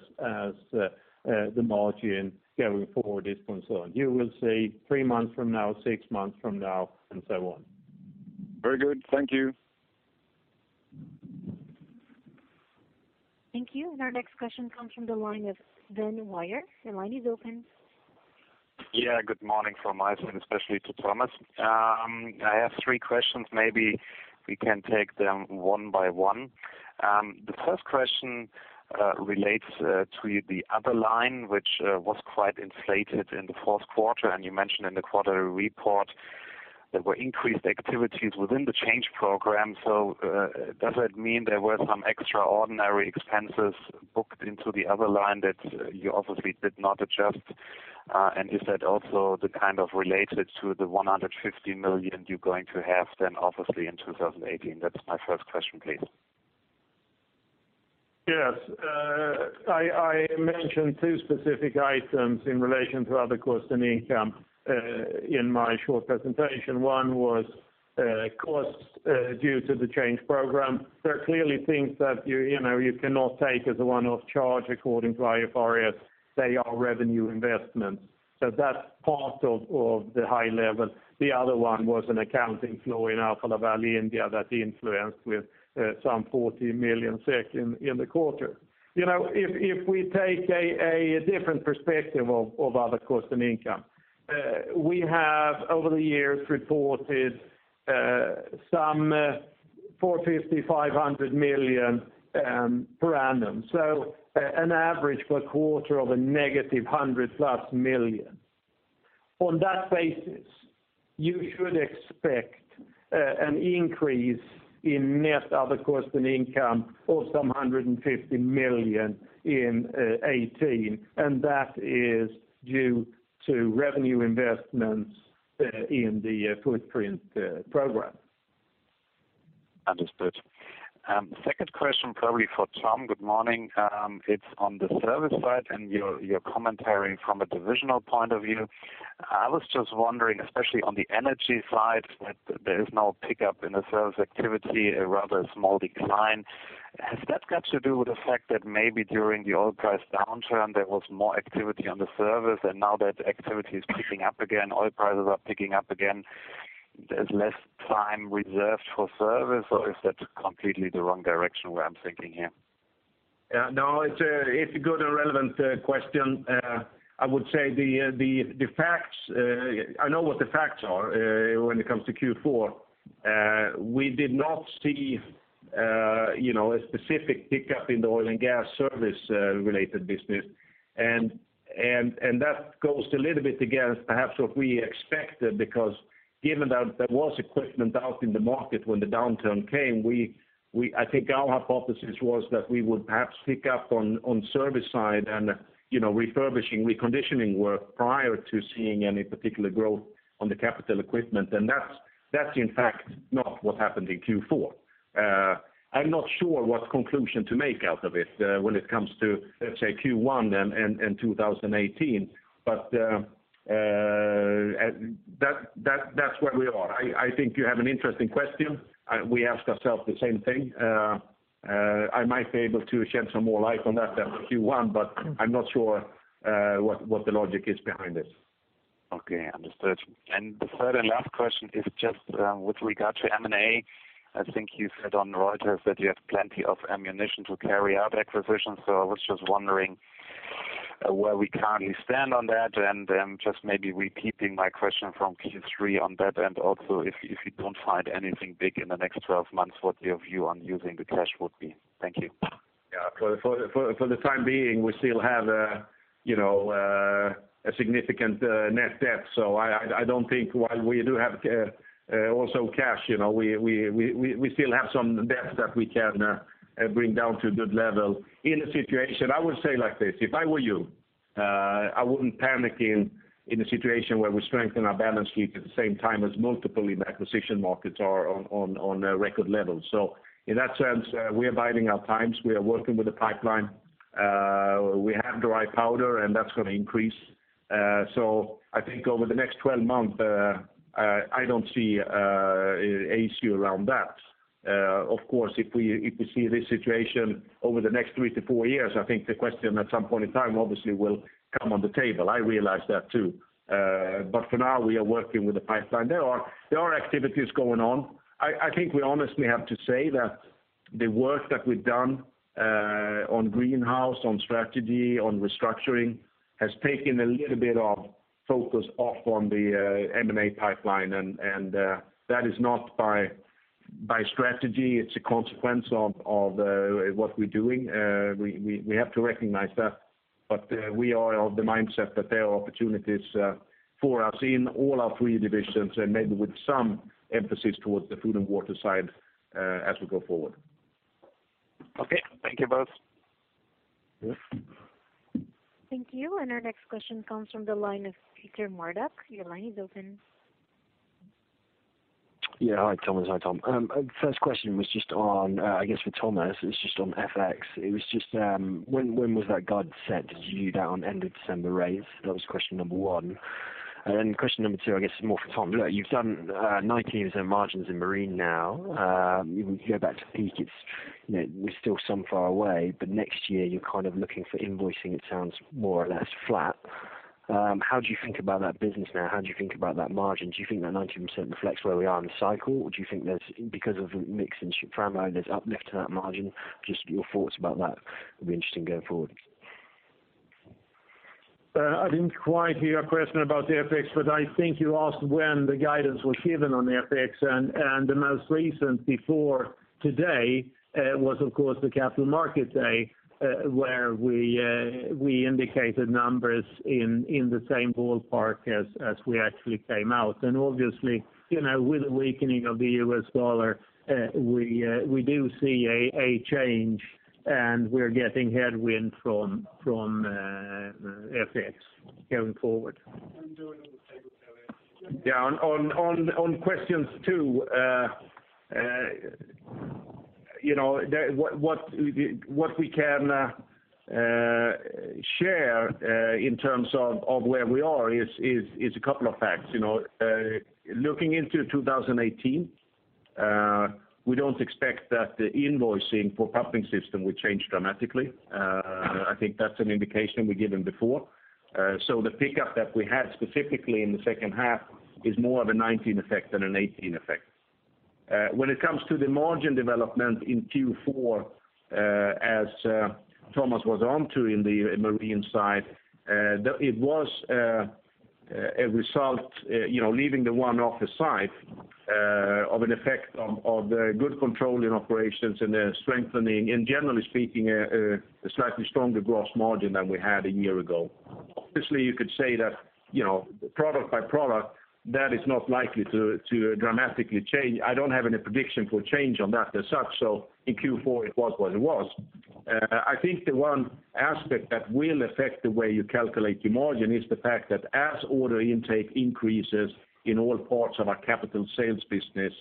Speaker 3: the margin going forward is concerned. You will see three months from now, six months from now, and so on.
Speaker 4: Very good. Thank you.
Speaker 1: Thank you. Our next question comes from the line of Sven Weier. Your line is open.
Speaker 5: Good morning from my end, especially to Thomas. I have three questions. Maybe we can take them one by one. The first question relates to the other line, which was quite inflated in the fourth quarter. You mentioned in the quarterly report there were increased activities within the change program. Does that mean there were some extraordinary expenses booked into the other line that you obviously did not adjust? Is that also related to the 150 million you're going to have then obviously in 2018? That's my first question, please.
Speaker 3: Yes. I mentioned two specific items in relation to other cost and income in my short presentation. One was costs due to the change program. There are clearly things that you cannot take as a one-off charge according to IFRS. They are revenue investments. That's part of the high level. The other one was an accounting flow in Alfa Laval India that influenced with some 40 million in the quarter. If we take a different perspective of other cost and income, we have over the years reported some 450 million, 500 million per annum. An average per quarter of a negative 100+ million. On that basis, you should expect an increase in net other cost and income of some 150 million in 2018, and that is due to revenue investments in the footprint program.
Speaker 5: Understood. Second question, probably for Tom. Good morning. It's on the service side and your commentary from a divisional point of view. I was just wondering, especially on the Energy side, that there is no pickup in the service activity, a rather small decline. Has that got to do with the fact that maybe during the oil price downturn, there was more activity on the service, and now that activity is picking up again, oil prices are picking up again, there's less time reserved for service, or is that completely the wrong direction where I'm thinking here?
Speaker 2: It's a good and relevant question. I would say I know what the facts are when it comes to Q4. We did not see a specific pickup in the oil and gas service-related business. That goes a little bit against perhaps what we expected, because given that there was equipment out in the market when the downturn came, I think our hypothesis was that we would perhaps pick up on service side and refurbishing, reconditioning work prior to seeing any particular growth on the capital equipment. That's in fact not what happened in Q4. I'm not sure what conclusion to make out of it when it comes to, let's say Q1 and 2018. That's where we are. I think you have an interesting question. We ask ourselves the same thing.
Speaker 3: I might be able to shed some more light on that at Q1, but I'm not sure what the logic is behind it.
Speaker 5: Okay, understood. The third and last question is just with regard to M&A. I think you said on Reuters that you have plenty of ammunition to carry out acquisitions. I was just wondering where we currently stand on that, and then just maybe repeating my question from Q3 on that, and also if you don't find anything big in the next 12 months, what your view on using the cash would be. Thank you.
Speaker 2: Yeah. For the time being, we still have a significant net debt. I don't think while we do have also cash, we still have some debt that we can bring down to a good level. I would say like this: If I were you, I wouldn't panic in a situation where we strengthen our balance sheet at the same time as multiple acquisition markets are on record levels. In that sense, we are biding our times. We are working with the pipeline. We have dry powder, and that's going to increase. I think over the next 12 months, I don't see an issue around that. Of course, if we see this situation over the next 3 to 4 years, I think the question at some point in time obviously will come on the table. I realize that too. For now, we are working with the pipeline.
Speaker 3: There are activities going on. I think we honestly have to say that the work that we've done on Greenhouse, on strategy, on restructuring, has taken a little bit of focus off on the M&A pipeline, and that is not by strategy. It's a consequence of what we're doing. We have to recognize that. We are of the mindset that there are opportunities for us in all our three divisions, and maybe with some emphasis towards the Food & Water side as we go forward.
Speaker 5: Okay. Thank you both.
Speaker 1: Thank you. Our next question comes from the line of Peter Murdoch. Your line is open.
Speaker 6: Yeah. Hi, Thomas. Hi, Tom. First question was just on, I guess for Thomas, it's just on FX. It was just, when was that guidance set? Did you do that on end of December rates? That was question number 1. Question number 2, I guess is more for Tom. Look, you've done 19% margins in Marine now. If we go back to peak, we're still some far away, but next year you're looking for invoicing, it sounds more or less flat. How do you think about that business now? How do you think about that margin? Do you think that 19% reflects where we are in the cycle, or do you think that because of the mix in Supramax, there's uplift to that margin? Just your thoughts about that would be interesting going forward.
Speaker 2: I didn't quite hear your question about the FX. I think you asked when the guidance was given on FX. The most recent before today was, of course, the Capital Markets Day where we indicated numbers in the same ballpark as we actually came out. Obviously, with the weakening of the US dollar, we do see a change. We're getting headwind from FX going forward. Yeah, on questions two, what we can share in terms of where we are is a couple of facts. Looking into 2018, we don't expect that the invoicing for pumping system will change dramatically. I think that's an indication we've given before. The pickup that we had specifically in the second half is more of a 2019 effect than a 2018 effect. When it comes to the margin development in Q4, as Thomas was onto in the Marine side, it was a result, leaving the one-off aside, of an effect of the good control in operations and the strengthening and generally speaking, a slightly stronger gross margin than we had a year ago. Obviously, you could say that product by product, that is not likely to dramatically change. I don't have any prediction for change on that as such. In Q4 it was what it was. I think the one aspect that will affect the way you calculate your margin is the fact that as order intake increases in all parts of our capital sales business,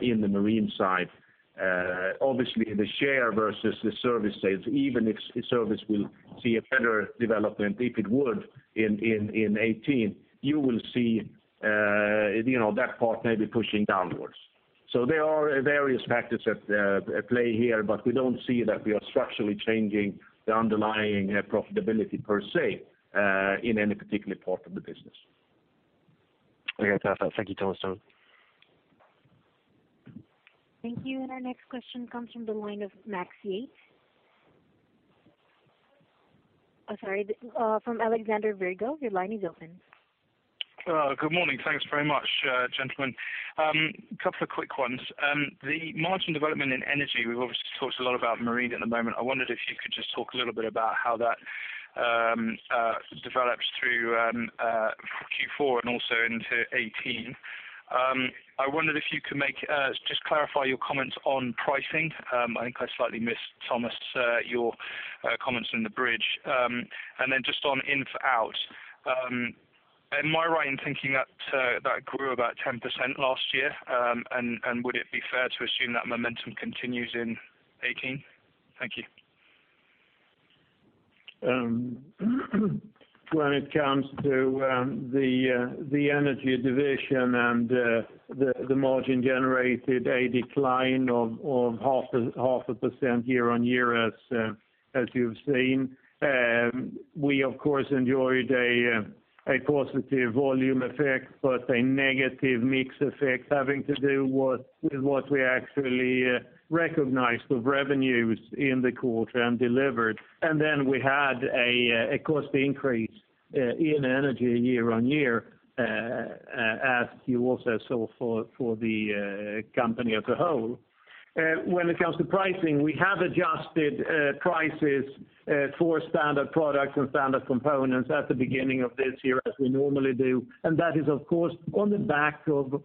Speaker 2: in the Marine side, obviously the share versus the service sales, even if service will see a better development, if it would in 2018, you will see that part maybe pushing downwards.
Speaker 3: There are various factors at play here, but we don't see that we are structurally changing the underlying profitability per se, in any particular part of the business.
Speaker 6: Okay. Perfect. Thank you, Thomas, Tom.
Speaker 1: Thank you. Our next question comes from the line of Max Yates. I'm sorry, from Alexander Virgo, your line is open.
Speaker 7: Good morning. Thanks very much, gentlemen. Couple of quick ones. The margin development in Energy, we've obviously talked a lot about Marine at the moment. I wondered if you could just talk a little bit about how that develops through Q4 and also into 2018. I wondered if you could just clarify your comments on pricing. I think I slightly missed, Thomas, your comments in the bridge. Then just on in-for-out. Am I right in thinking that grew about 10% last year? Would it be fair to assume that momentum continues in 2018? Thank you.
Speaker 3: When it comes to the Energy division and the margin generated, a decline of half a % year-on-year as you've seen. We of course enjoyed a positive volume effect, but a negative mix effect having to do with what we actually recognized with revenues in the quarter and delivered. Then we had a cost increase in Energy year-on-year, as you also saw for the company as a whole. When it comes to pricing, we have adjusted prices for standard products and standard components at the beginning of this year as we normally do. That is, of course, on the back of the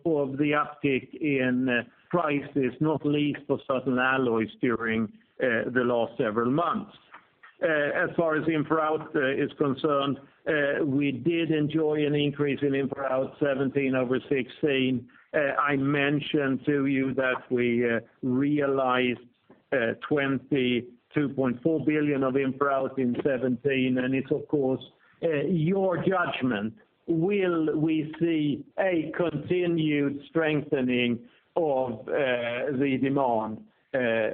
Speaker 3: uptick in prices, not least for certain alloys during the last several months. As far as in-for-out is concerned, we did enjoy an increase in in-for-out 2017 over 2016. I mentioned to you that we realized 22.4 billion of in-for-out in 2017. It's of course, your judgment. Will we see a continued strengthening of the demand?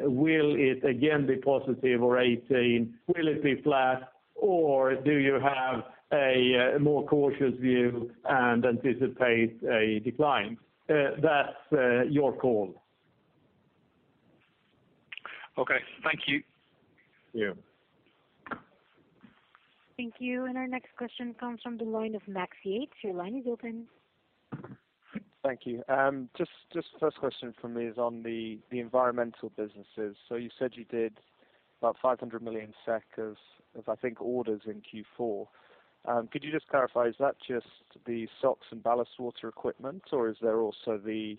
Speaker 3: Will it again be positive for 2018? Will it be flat? Do you have a more cautious view and anticipate a decline? That's your call.
Speaker 7: Okay. Thank you.
Speaker 3: Yeah.
Speaker 1: Thank you. Our next question comes from the line of Max Yates. Your line is open.
Speaker 8: Thank you. First question from me is on the environmental businesses. You said you did about 500 million SEK of, I think, orders in Q4. Could you clarify, is that just the SOx and ballast water equipment, or is there also the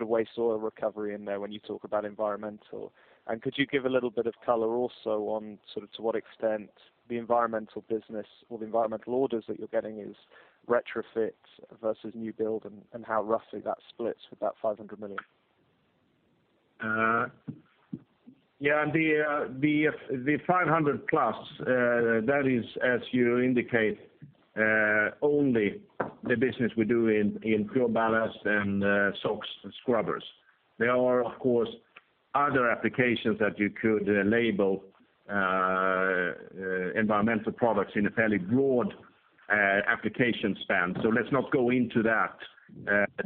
Speaker 8: waste oil recovery in there when you talk about environmental? Could you give a little bit of color also on to what extent the environmental business or the environmental orders that you're getting is retrofit versus new build, and how roughly that splits with that 500 million.
Speaker 3: The 500 plus, that is, as you indicate, only the business we do in PureBallast and SOx scrubbers. There are, of course, other applications that you could label environmental products in a fairly broad application span. Let's not go into that.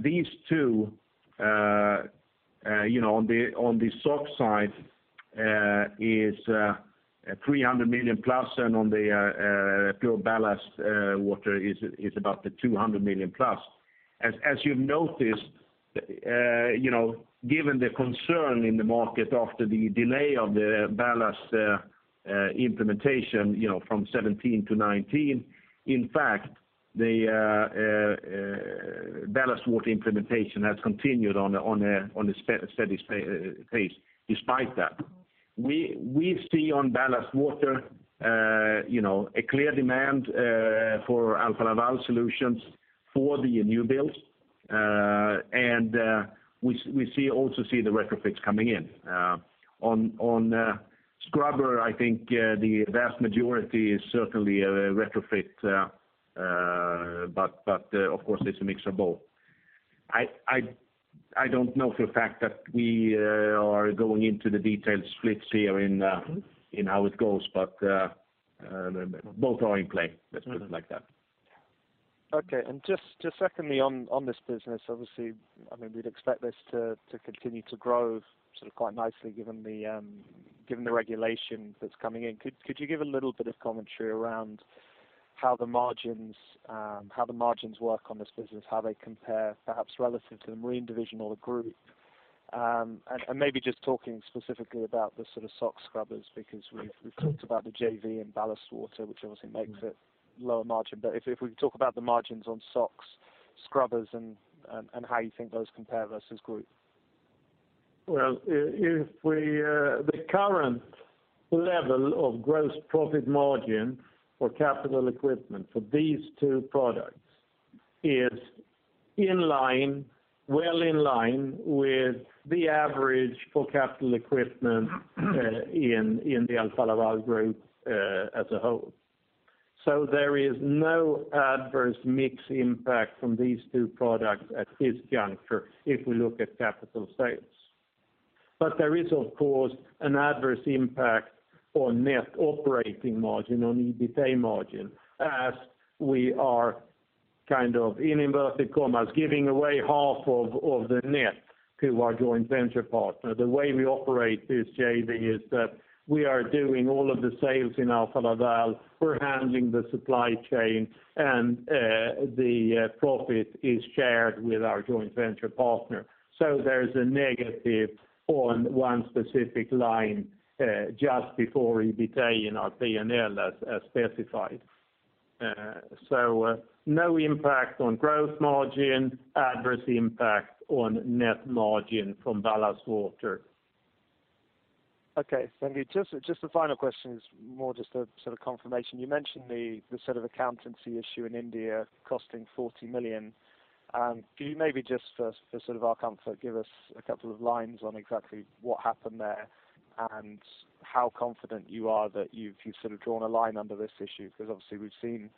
Speaker 3: These two, on the SOx side is 300 million plus, and on the PureBallast water is about 200 million plus. As you've noticed, given the concern in the market after the delay of the ballast implementation from 2017 to 2019, in fact, the ballast water implementation has continued on a steady pace despite that. We see on ballast water a clear demand for Alfa Laval solutions for the new builds, and we also see the retrofits coming in. On scrubber, I think the vast majority is certainly a retrofit, but of course, it's a mix of both. I don't know for a fact that we are going into the detailed splits here in how it goes, but both are in play. Let's put it like that.
Speaker 8: Okay. Secondly on this business, obviously, we'd expect this to continue to grow quite nicely given the regulation that's coming in. Could you give a little bit of commentary around how the margins work on this business, how they compare, perhaps relative to the Marine Division or the group? Maybe talking specifically about the SOx scrubbers, because we've talked about the JV and ballast water, which obviously makes it lower margin. If we can talk about the margins on SOx scrubbers and how you think those compare versus group.
Speaker 3: Well, the current level of gross profit margin for capital equipment for these two products is well in line with the average for capital equipment in the Alfa Laval Group as a whole. There is no adverse mix impact from these two products at this juncture if we look at capital sales. There is, of course, an adverse impact on net operating margin, on EBITA margin, as we are kind of, in inverted commas, giving away half of the net to our joint venture partner. The way we operate this JV is that we are doing all of the sales in Alfa Laval. We are handling the supply chain, and the profit is shared with our joint venture partner. There is a negative on one specific line just before EBITA in our P&L as specified. No impact on growth margin, adverse impact on net margin from ballast water.
Speaker 8: Okay. Thank you. Just a final question, it is more just a sort of confirmation. You mentioned the sort of accountancy issue in India costing 40 million. Could you maybe just for sort of our comfort, give us a couple of lines on exactly what happened there and how confident you are that you have sort of drawn a line under this issue? Because obviously, we have seen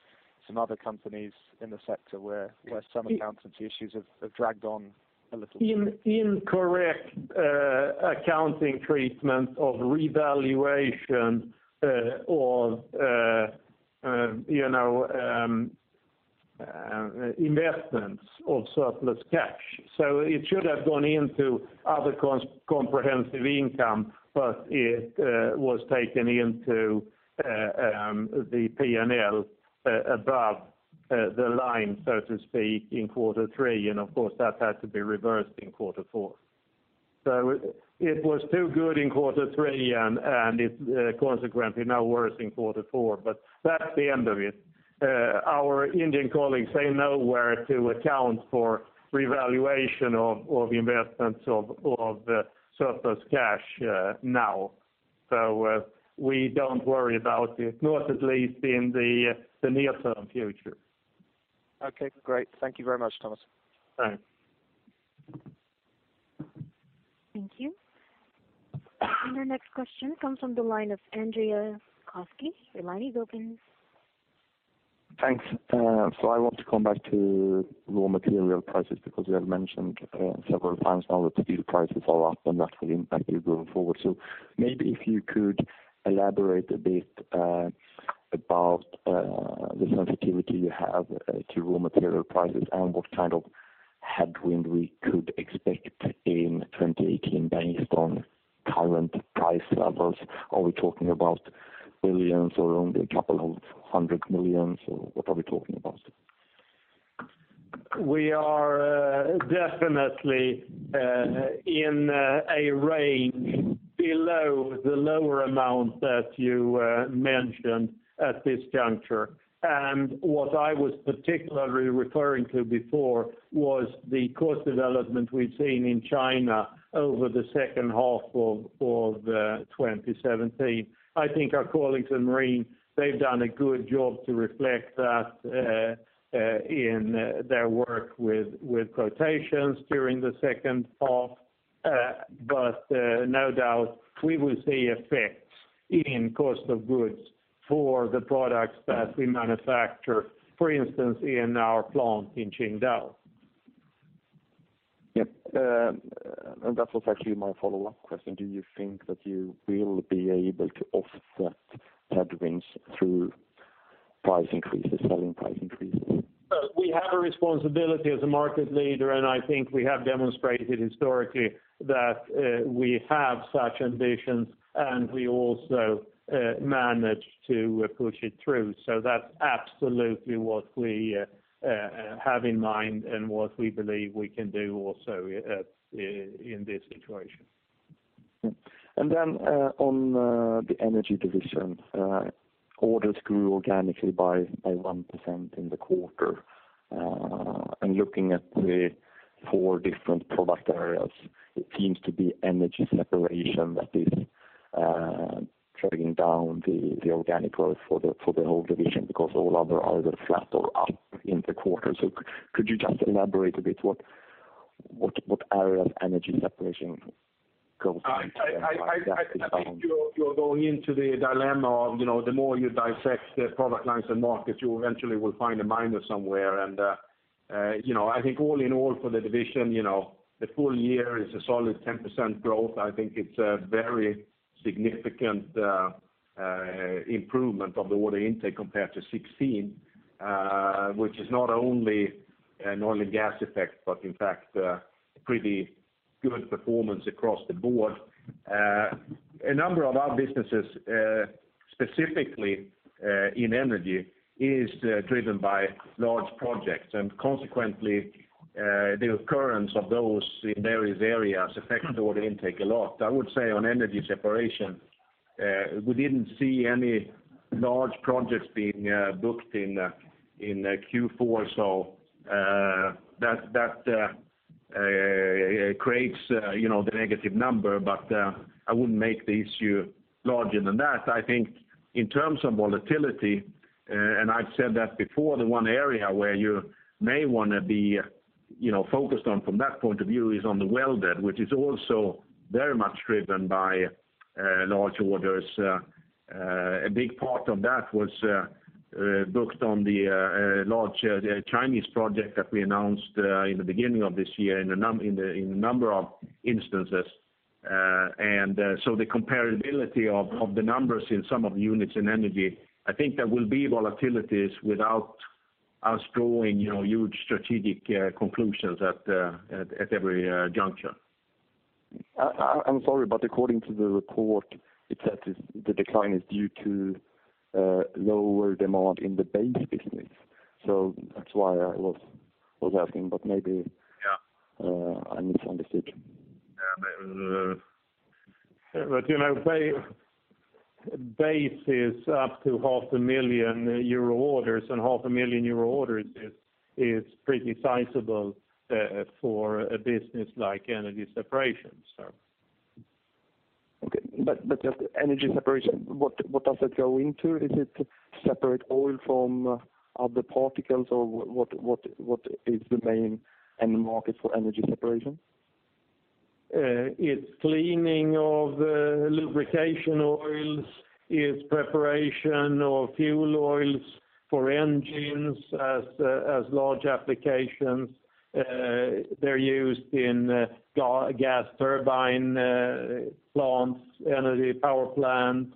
Speaker 8: some other companies in the sector where some accountancy issues have dragged on a little too long.
Speaker 3: Incorrect accounting treatment of revaluation of investments of surplus cash. It should have gone into other comprehensive income, but it was taken into the P&L above the line, so to speak, in quarter three, and of course, that had to be reversed in quarter four. It was too good in quarter three, and it is consequently now worse in quarter four. That is the end of it. Our Indian colleagues, they know where to account for revaluation of investments of surplus cash now. We do not worry about it, not at least in the near-term future.
Speaker 8: Okay, great. Thank you very much, Thomas.
Speaker 3: Thanks.
Speaker 1: Thank you. Our next question comes from the line of Andreas Koski. Your line is open.
Speaker 9: Thanks. I want to come back to raw material prices, because you have mentioned several times now that steel prices are up, and that will impact you going forward. Maybe if you could elaborate a bit about the sensitivity you have to raw material prices, and what kind of headwind we could expect in 2018 based on current price levels. Are we talking about billions or only a couple of hundred millions, or what are we talking about?
Speaker 2: We are definitely in a range below the lower amount that you mentioned at this juncture. What I was particularly referring to before was the cost development we've seen in China over the second half of 2017. I think our colleagues in Marine, they've done a good job to reflect that in their work with quotations during the second half. No doubt we will see effects in cost of goods for the products that we manufacture, for instance, in our plant in Qingdao.
Speaker 9: Yep. That was actually my follow-up question. Do you think that you will be able to offset headwinds through price increases, selling price increases?
Speaker 2: We have a responsibility as a market leader, I think we have demonstrated historically that we have such ambitions. We also manage to push it through. That's absolutely what we have in mind and what we believe we can do also in this situation.
Speaker 9: On the Energy Division, orders grew organically by 1% in the quarter. Looking at the four different product areas, it seems to be Energy Separation that is dragging down the organic growth for the whole division, because all other are flat or up in the quarter. Could you just elaborate a bit what area of Energy Separation goes into-
Speaker 2: I think you're going into the dilemma of the more you dissect the product lines and markets, you eventually will find a minus somewhere. I think all in all for the division, the full year is a solid 10% growth. I think it's a very significant improvement on the order intake compared to 2016, which is not only an oil and gas effect, but in fact a pretty good performance across the board. A number of our businesses, specifically in Energy, is driven by large projects. Consequently, the occurrence of those in various areas affect order intake a lot. I would say on Energy Separation, we didn't see any large projects being booked in Q4. That creates the negative number. I wouldn't make the issue larger than that.
Speaker 3: I think in terms of volatility, I've said that before, the one area where you may want to be focused on from that point of view is on the welded, which is also very much driven by large orders. A big part of that was booked on the large Chinese project that we announced in the beginning of this year in a number of instances. The comparability of the numbers in some of the units in Energy, I think there will be volatilities without us drawing huge strategic conclusions at every juncture.
Speaker 9: I'm sorry, according to the report, it says the decline is due to lower demand in the base business. That's why I was asking.
Speaker 3: Yeah
Speaker 9: I misunderstood.
Speaker 2: Yeah. Base is up to half a million EUR orders, and half a million EUR orders is pretty sizable for a business like Energy Separation.
Speaker 9: Okay. Just Energy Separation, what does that go into? Is it to separate oil from other particles, or what is the main end market for Energy Separation?
Speaker 2: It's cleaning of lubrication oils, it's preparation of fuel oils for engines as large applications. They're used in gas turbine plants, energy power plants.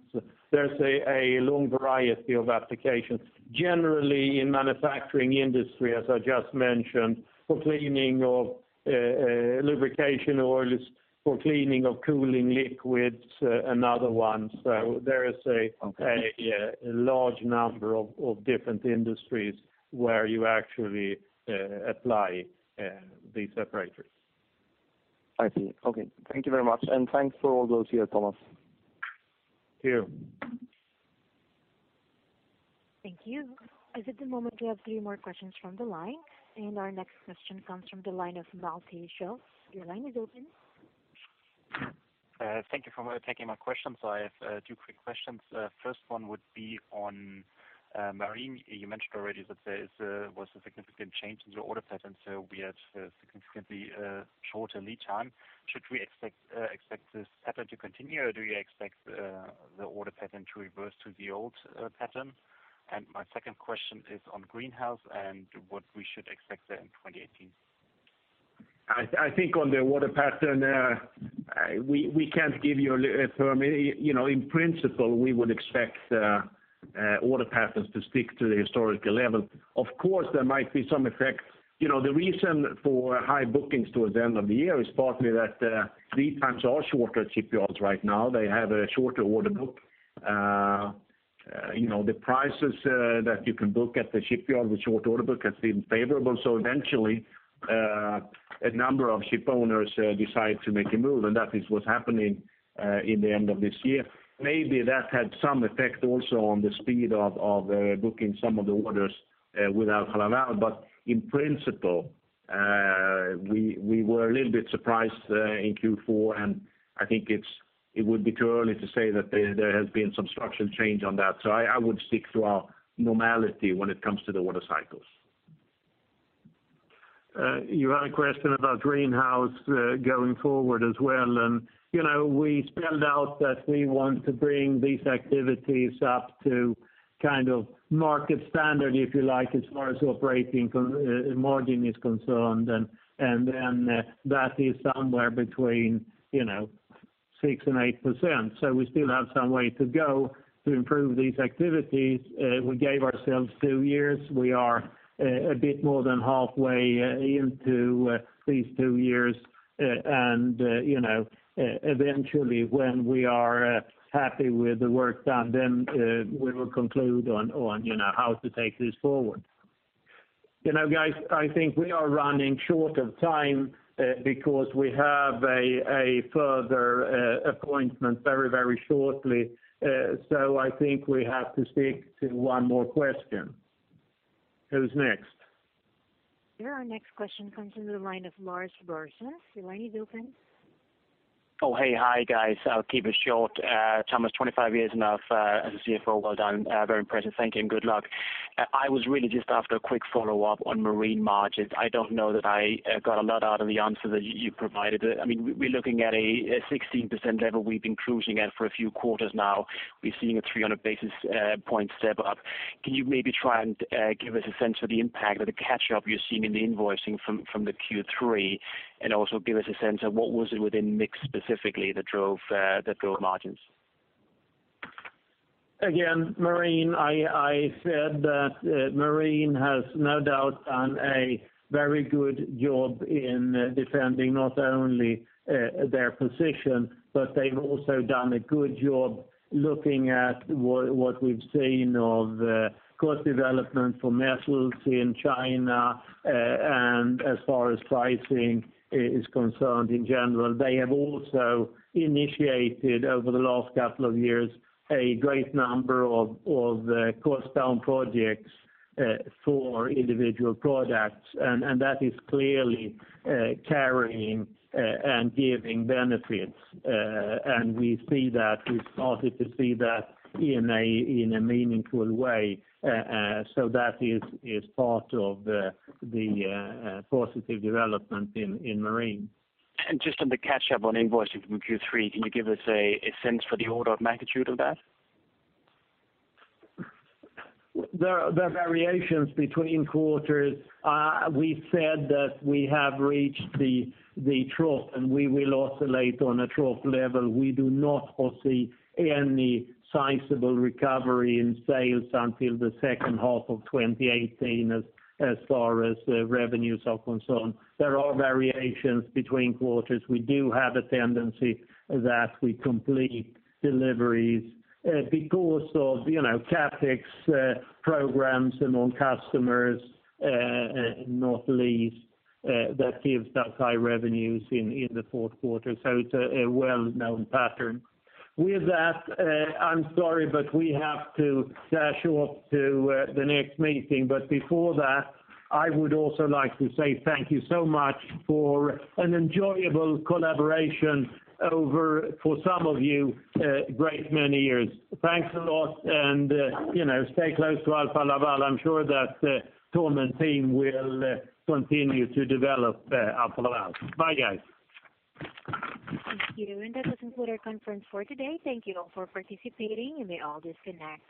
Speaker 2: There's a long variety of applications. Generally, in manufacturing industry, as I just mentioned, for cleaning of lubrication oils, for cleaning of cooling liquids and other ones.
Speaker 9: Okay
Speaker 2: A large number of different industries where you actually apply the separators.
Speaker 9: I see. Okay. Thank you very much, and thanks for all those years, Thomas.
Speaker 3: Thank you.
Speaker 1: Thank you. At the moment, we have three more questions from the line. Our next question comes from the line of Malte Schulz. Your line is open.
Speaker 10: Thank you for taking my question. I have two quick questions. First one would be on marine. You mentioned already that there was a significant change in the order pattern, we had significantly shorter lead time. Should we expect this pattern to continue, or do you expect the order pattern to reverse to the old pattern? My second question is on Greenhouse and what we should expect there in 2018.
Speaker 2: I think on the order pattern, we can't give you a term. In principle, we would expect order patterns to stick to the historical level. Of course, there might be some effect. The reason for high bookings towards the end of the year is partly that lead times are shorter at shipyards right now. They have a shorter order book. The prices that you can book at the shipyard with short order book has been favorable. Eventually, a number of ship owners decide to make a move, and that is what's happening in the end of this year. Maybe that had some effect also on the speed of booking some of the orders with Alfa Laval. In principle, we were a little bit surprised, in Q4, and I think it would be too early to say that there has been some structural change on that. I would stick to our normality when it comes to the order cycles. You had a question about Greenhouse going forward as well, we spelled out that we want to bring these activities up to kind of market standard, if you like, as far as operating margin is concerned, that is somewhere between six and eight %. We still have some way to go to improve these activities. We gave ourselves two years. We are a bit more than halfway into these two years. Eventually, when we are happy with the work done, we will conclude on how to take this forward. Guys, I think we are running short of time because we have a further appointment very shortly. I think we have to stick to one more question. Who's next?
Speaker 1: Sure. Our next question comes in the line of Lars Bersen, the line is open.
Speaker 11: Oh, hey. Hi, guys. I will keep it short. Thomas, 25 years is enough as a CFO, well done. Very impressive. Thank you, and good luck. I was really just after a quick follow-up on Marine margins. I do not know that I got a lot out of the answer that you provided. We are looking at a 16% level we have been cruising at for a few quarters now. We are seeing a 300 basis point step-up. Can you maybe try and give us a sense for the impact of the catch-up you are seeing in the invoicing from the Q3, and also give us a sense of what was it within mix specifically that drove margins?
Speaker 2: Marine, I said that marine has no doubt done a very good job in defending not only their position, but they have also done a good job looking at what we have seen of cost development for metals in China, and as far as pricing is concerned in general. They have also initiated, over the last couple of years, a great number of cost down projects for individual products. That is clearly carrying and giving benefits. We started to see that in a meaningful way. That is part of the positive development in marine.
Speaker 11: Just on the catch-up on invoicing from Q3, can you give us a sense for the order of magnitude of that?
Speaker 3: There are variations between quarters. We've said that we have reached the trough, and we will oscillate on a trough level. We do not foresee any sizable recovery in sales until the second half of 2018 as far as revenues are concerned. There are variations between quarters. We do have a tendency that we complete deliveries because of CapEx programs among customers, not least, that gives that high revenues in the fourth quarter. It's a well-known pattern. With that, I'm sorry, but we have to dash off to the next meeting. Before that, I would also like to say thank you so much for an enjoyable collaboration over, for some of you, great many years. Thanks a lot, and stay close to Alfa Laval. I'm sure that Tom and team will continue to develop Alfa Laval. Bye, guys.
Speaker 1: Thank you. That was the end of our conference for today. Thank you all for participating. You may all disconnect.